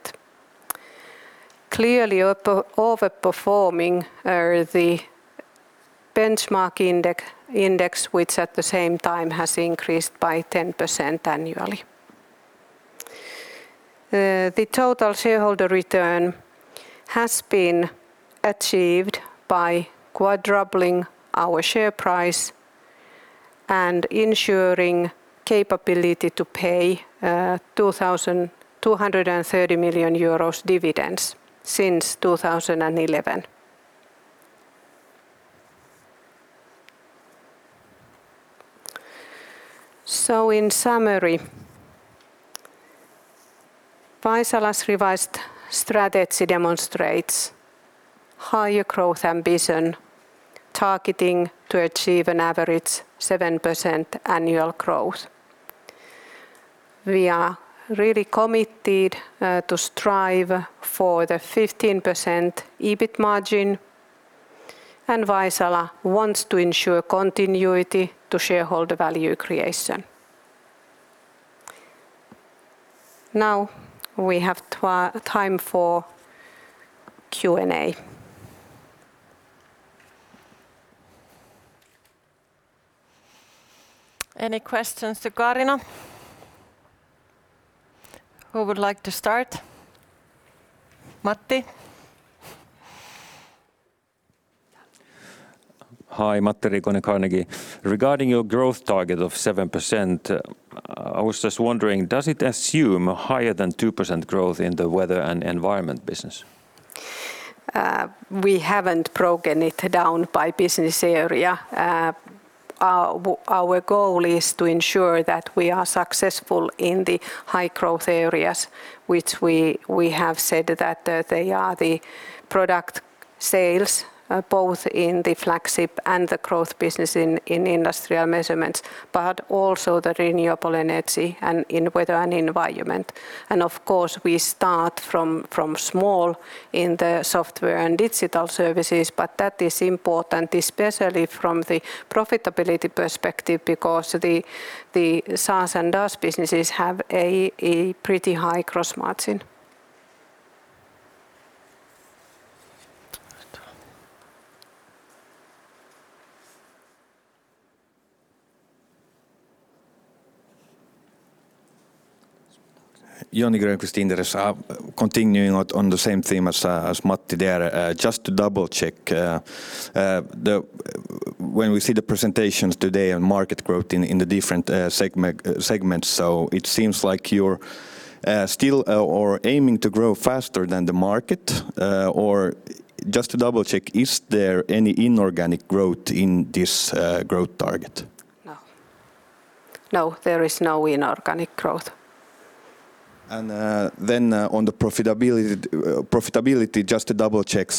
Clearly over-performing the benchmark index, which at the same time has increased by 10% annually. The total shareholder return has been achieved by quadrupling our share price and ensuring capability to pay 2,230 million euros dividends since 2011. In summary, Vaisala's revised strategy demonstrates higher growth ambition, targeting to achieve an average 7% annual growth. We are really committed to strive for the 15% EBIT margin. Vaisala wants to ensure continuity to shareholder value creation. Now, we have time for Q&A. Any questions to Kaarina? Who would like to start? Matti? Hi, Matti Riikonen, Carnegie. Regarding your growth target of 7%, I was just wondering, does it assume higher than 2% growth in the Weather and Environment Business? We haven't broken it down by business area. Our goal is to ensure that we are successful in the high-growth areas, which we have said that they are the product sales, both in the flagship and the growth business in Industrial Measurements, also the renewable energy and in Weather and Environment. Of course, we start from small in the software and digital services, but that is important, especially from the profitability perspective, because the SaaS and DaaS businesses have a pretty high gross margin. Joni Grönqvist, Inderes. Continuing on the same theme as Matti there. Just to double-check, when we see the presentations today on market growth in the different segments, so it seems like you're still or aiming to grow faster than the market, or just to double-check, is there any inorganic growth in this growth target? No. No, there is no inorganic growth. On the profitability, just to double-check,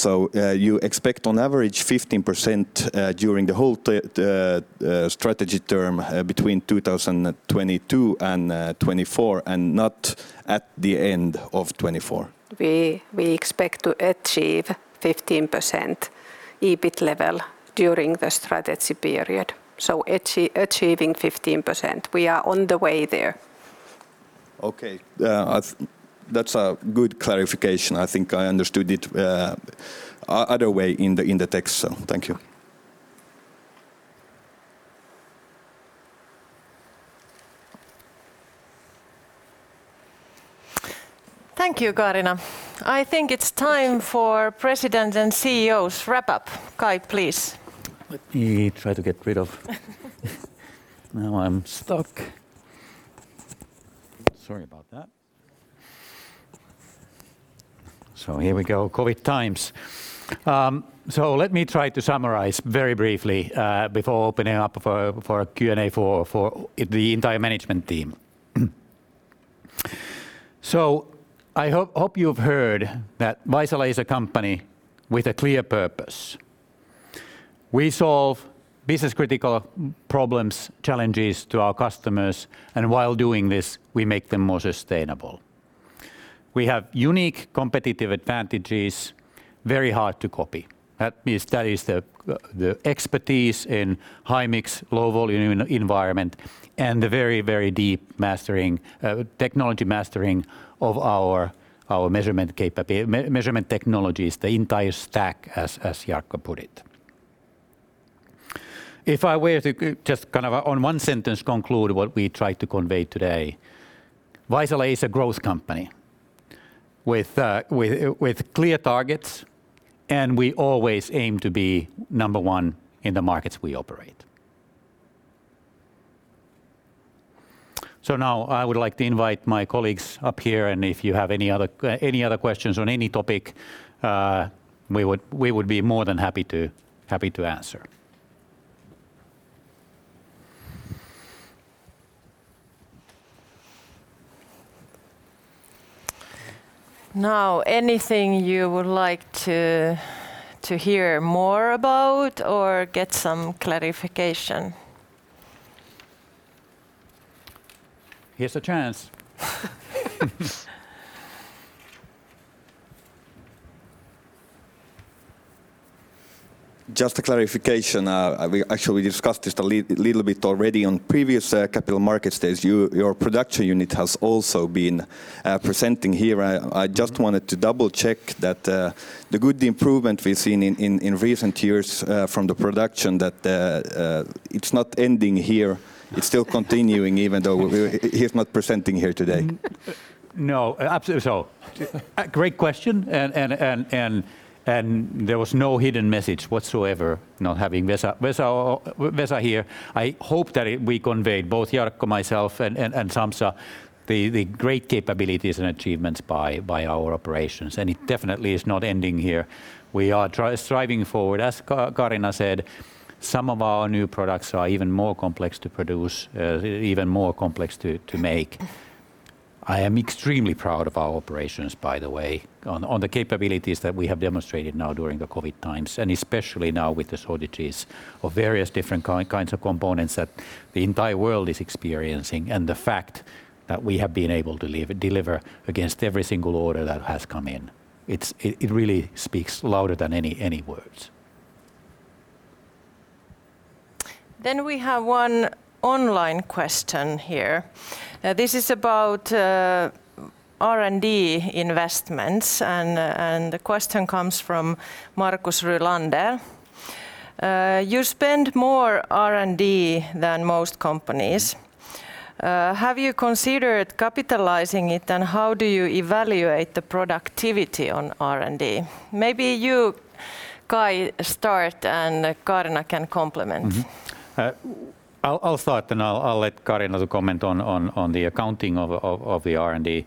you expect on average 15% during the whole strategy term between 2022 and 2024 and not at the end of 2024? We expect to achieve 15% EBIT level during the strategy period. Achieving 15%. We are on the way there. Okay. That's a good clarification. I think I understood it other way in the text, so thank you. Thank you, Kaarina. I think it's time for President and CEO's wrap up. Kai, please. You try to get rid of. Now I'm stuck. Sorry about that. Here we go. COVID-19 times. Let me try to summarize very briefly before opening up for Q&A for the entire management team. I hope you've heard that Vaisala is a company with a clear purpose. We solve business-critical problems, challenges to our customers, and while doing this, we make them more sustainable. We have unique competitive advantages very hard to copy. That is the expertise in high-mix, low-volume environment, and the very, very deep technology mastering of our measurement technologies, the entire stack, as Jarkko put it. If I were to just kind of on one sentence conclude what we tried to convey today, Vaisala is a growth company with clear targets, and we always aim to be number one in the markets we operate. Now I would like to invite my colleagues up here, and if you have any other questions on any topic, we would be more than happy to answer. Anything you would like to hear more about or get some clarification? Here's your chance. Just a clarification. We actually discussed this a little bit already on previous Capital Markets Day. Your production unit has also been presenting here. I just wanted to double-check that the good improvement we've seen in recent years from the production, that it's not ending here. It's still continuing even though he is not presenting here today. No, absolutely so. Great question. There was no hidden message whatsoever not having Vesa here. I hope that we conveyed, both Jarkko, myself, and Sampsa, the great capabilities and achievements by our operations. It definitely is not ending here. We are striving forward. As Kaarina said, some of our new products are even more complex to produce, even more complex to make. I am extremely proud of our operations, by the way, on the capabilities that we have demonstrated now during the COVID-19 times, especially now with the shortages of various different kinds of components that the entire world is experiencing, the fact that we have been able to deliver against every single order that has come in. It really speaks louder than any words. We have one online question here. This is about R&D investments, and the question comes from Marcus Rulande. You spend more R&D than most companies. Have you considered capitalizing it, and how do you evaluate the productivity on R&D? Maybe you, Kai, start, and Kaarina can complement. I'll start, then I'll let Kaarina to comment on the accounting of the R&D.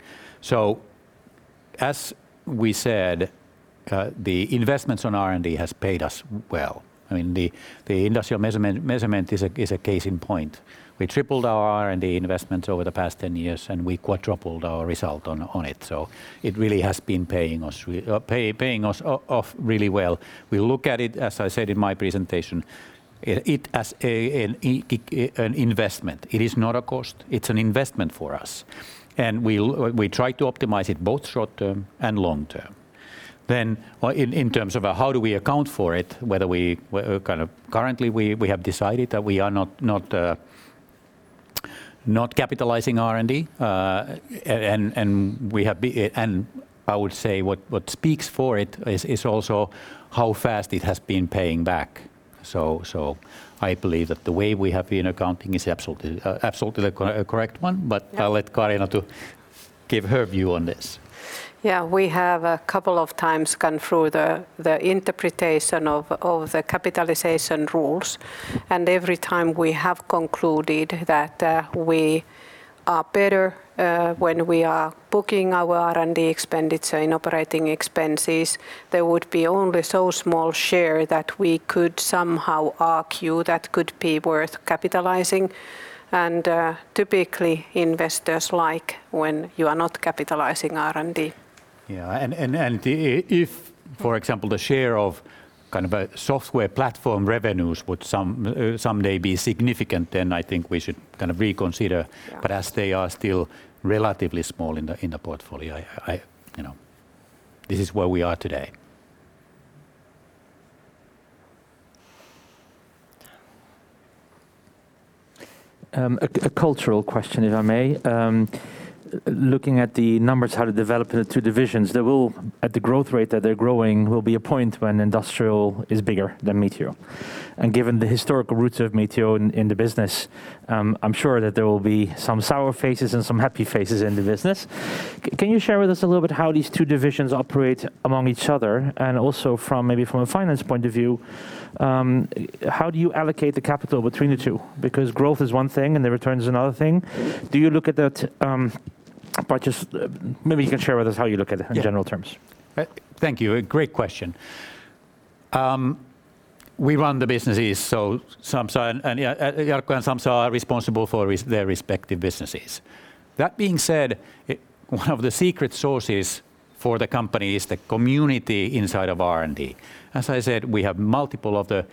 As we said, the investments on R&D has paid us well. The industrial measurement is a case in point. We tripled our R&D investments over the past 10 years, and we quadrupled our result on it, so it really has been paying us off really well. We look at it, as I said in my presentation, as an investment. It is not a cost. It's an investment for us, and we try to optimize it both short-term and long-term. In terms of how do we account for it, currently we have decided that we are not capitalizing R&D. I would say what speaks for it is also how fast it has been paying back. I believe that the way we have been accounting is absolutely the correct one, but I'll let Kaarina to give her view on this. Yeah. We have a couple of times gone through the interpretation of the capitalization rules, and every time, we have concluded that we are better when we are booking our R&D expenditure in operating expenses. There would be only so small share that we could somehow argue that could be worth capitalizing. Typically, investors like when you are not capitalizing R&D. Yeah. If, for example, the share of software platform revenues would someday be significant, then I think we should reconsider. Yeah. As they are still relatively small in the portfolio, this is where we are today. A cultural question, if I may. Looking at the numbers, how they develop in the two divisions, at the growth rate that they're growing, will be a point when Industrial is bigger than Meteo. Given the historical roots of Meteo in the business, I'm sure that there will be some sour faces and some happy faces in the business. Can you share with us a little bit how these two divisions operate among each other? Also maybe from a finance point of view, how do you allocate the capital between the two? Growth is one thing, and the return is another thing. Maybe you can share with us how you look at it in general terms. Thank you. A great question. We run the businesses, so Jarkko and Sampsa are responsible for their respective businesses. That being said, one of the secret sauces for the company is the community inside of R&D. As I said, we have multiple of the,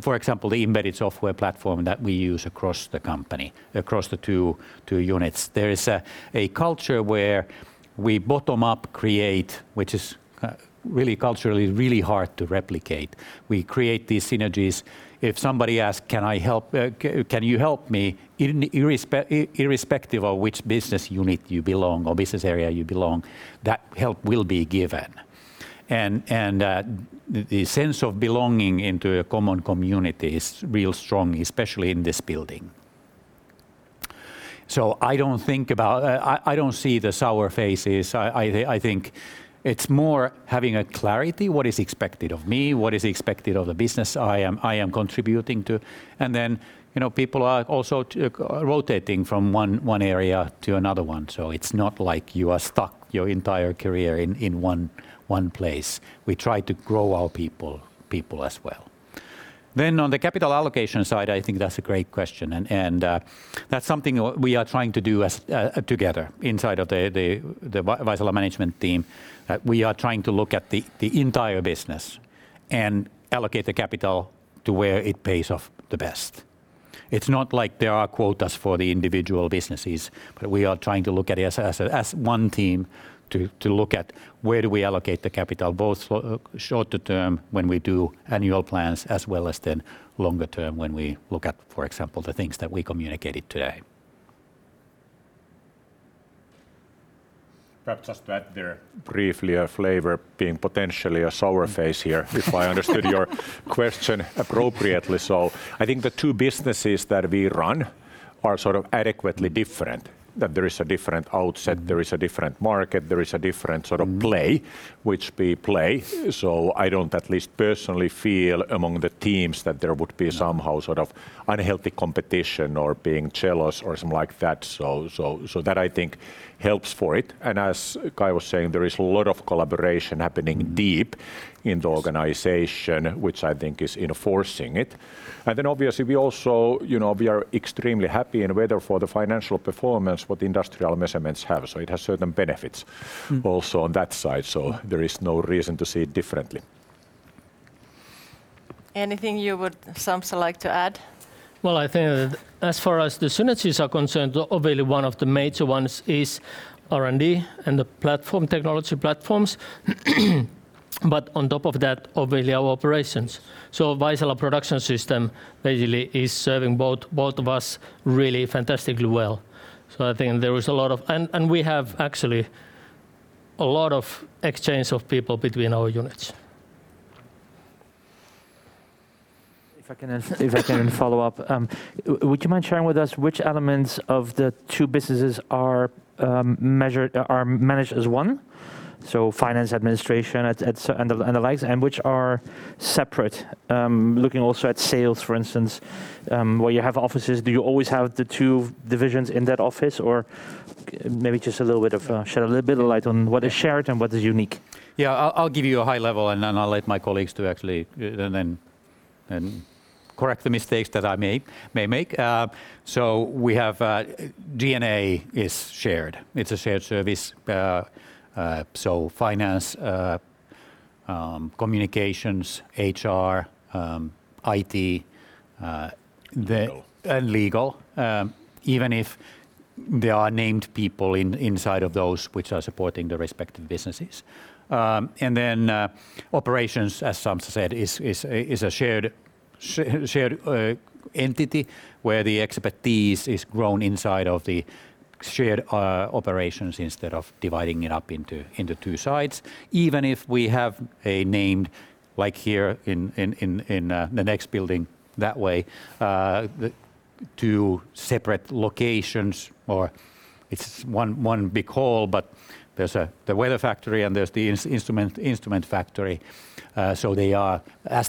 for example, the embedded software platform that we use across the company, across the two units. There is a culture where we bottom-up create, which is really culturally hard to replicate. We create these synergies. If somebody asks, "Can you help me?" Irrespective of which business unit you belong or business area you belong, that help will be given. The sense of belonging into a common community is real strong, especially in this building. I don't see the sour faces. I think it's more having a clarity, what is expected of me, what is expected of the business I am contributing to. People are also rotating from one area to another one, so it's not like you are stuck your entire career in one place. We try to grow our people as well. On the capital allocation side, I think that's a great question, and that's something we are trying to do together inside of the Vaisala management team. We are trying to look at the entire business and allocate the capital to where it pays off the best. It's not like there are quotas for the individual businesses, but we are trying to look at it as one team to look at where do we allocate the capital, both shorter term when we do annual plans, as well as longer term when we look at, for example, the things that we communicated today. Perhaps just to add there briefly, a flavor being potentially a sour face here, if I understood your question appropriately. I think the two businesses that we run are sort of adequately different, that there is a different outset, there is a different market, there is a different sort of play, which we play. I don't, at least personally feel among the teams, that there would be somehow sort of unhealthy competition or being jealous or something like that. That I think helps for it. As Kai was saying, there is a lot of collaboration happening deep in the organization, which I think is enforcing it. Obviously we are extremely happy in a way for the financial performance, what industrial measurements have. It has certain benefits also on that side. There is no reason to see it differently. Anything you would, Sampsa, like to add? I think that as far as the synergies are concerned, obviously one of the major ones is R&D and the technology platforms. On top of that, obviously our operations. Vaisala Production System basically is serving both of us really fantastically well. I think there is a lot of. And we have actually a lot of exchange of people between our units. If I can follow up. Would you mind sharing with us which elements of the two businesses are managed as one? Finance, administration, and the likes, and which are separate? Looking also at sales, for instance, where you have offices, do you always have the two divisions in that office or maybe just shed a little bit of light on what is shared and what is unique? Yeah, I'll give you a high level and then I'll let my colleagues to actually correct the mistakes that I may make. DNA is shared, it's a shared service. Finance, communications, HR, IT. Legal. Legal. Even if there are named people inside of those which are supporting the respective businesses. Operations, as Sampsa said, is a shared entity where the expertise is grown inside of the shared operations instead of dividing it up into two sides. Even if we have a named, like here in the next building that way, two separate locations. It's 1 big hall, but there's the weather factory and there's the instrument factory. They have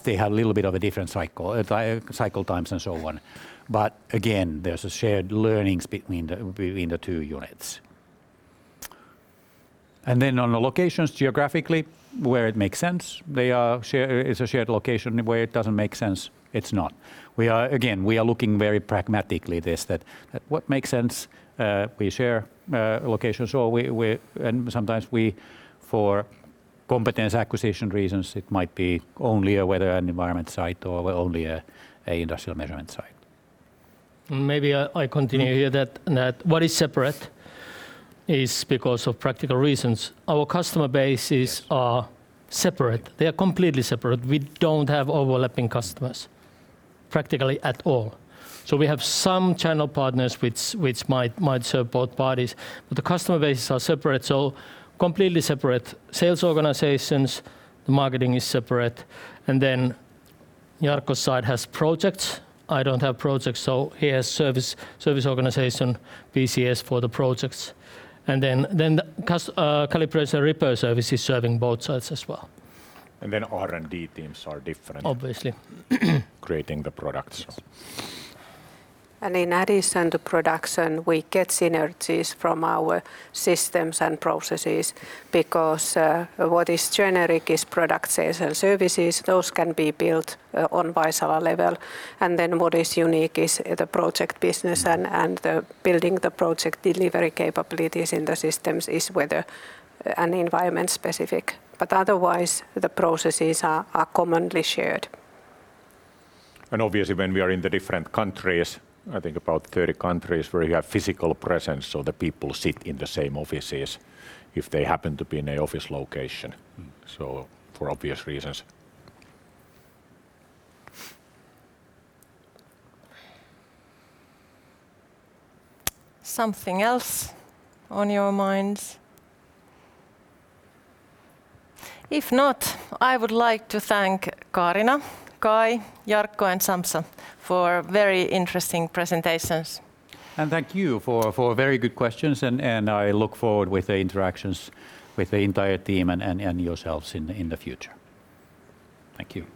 a little bit of a different cycle times and so on. Again, there's a shared learnings between the two units. On the locations geographically, where it makes sense, it's a shared location, and where it doesn't make sense, it's not. Again, we are looking very pragmatically this, that what makes sense, we share locations. Sometimes for competence acquisition reasons, it might be only a Weather and Environment site or only a Industrial Measurement site. I continue here that what is separate is because of practical reasons. Our customer bases are separate. They are completely separate. We don't have overlapping customers practically at all. We have some channel partners which might serve both parties, but the customer bases are separate. Completely separate sales organizations, the marketing is separate. Jarkko's side has projects. I don't have projects, he has service organization, BCS for the projects. The calibration repair service is serving both sides as well. R&D teams are different. Obviously. Creating the products. In addition to production, we get synergies from our systems and processes because what is generic is product sales and services. Those can be built on Vaisala level. What is unique is the project business and the building the project delivery capabilities in the systems is weather and environment specific. Otherwise, the processes are commonly shared. Obviously when we are in the different countries, I think about 30 countries where we have physical presence, the people sit in the same offices if they happen to be in an office location, for obvious reasons. Something else on your minds? If not, I would like to thank Kaarina, Kai, Jarkko, and Sampsa for very interesting presentations. Thank you for very good questions, and I look forward with the interactions with the entire team and yourselves in the future. Thank you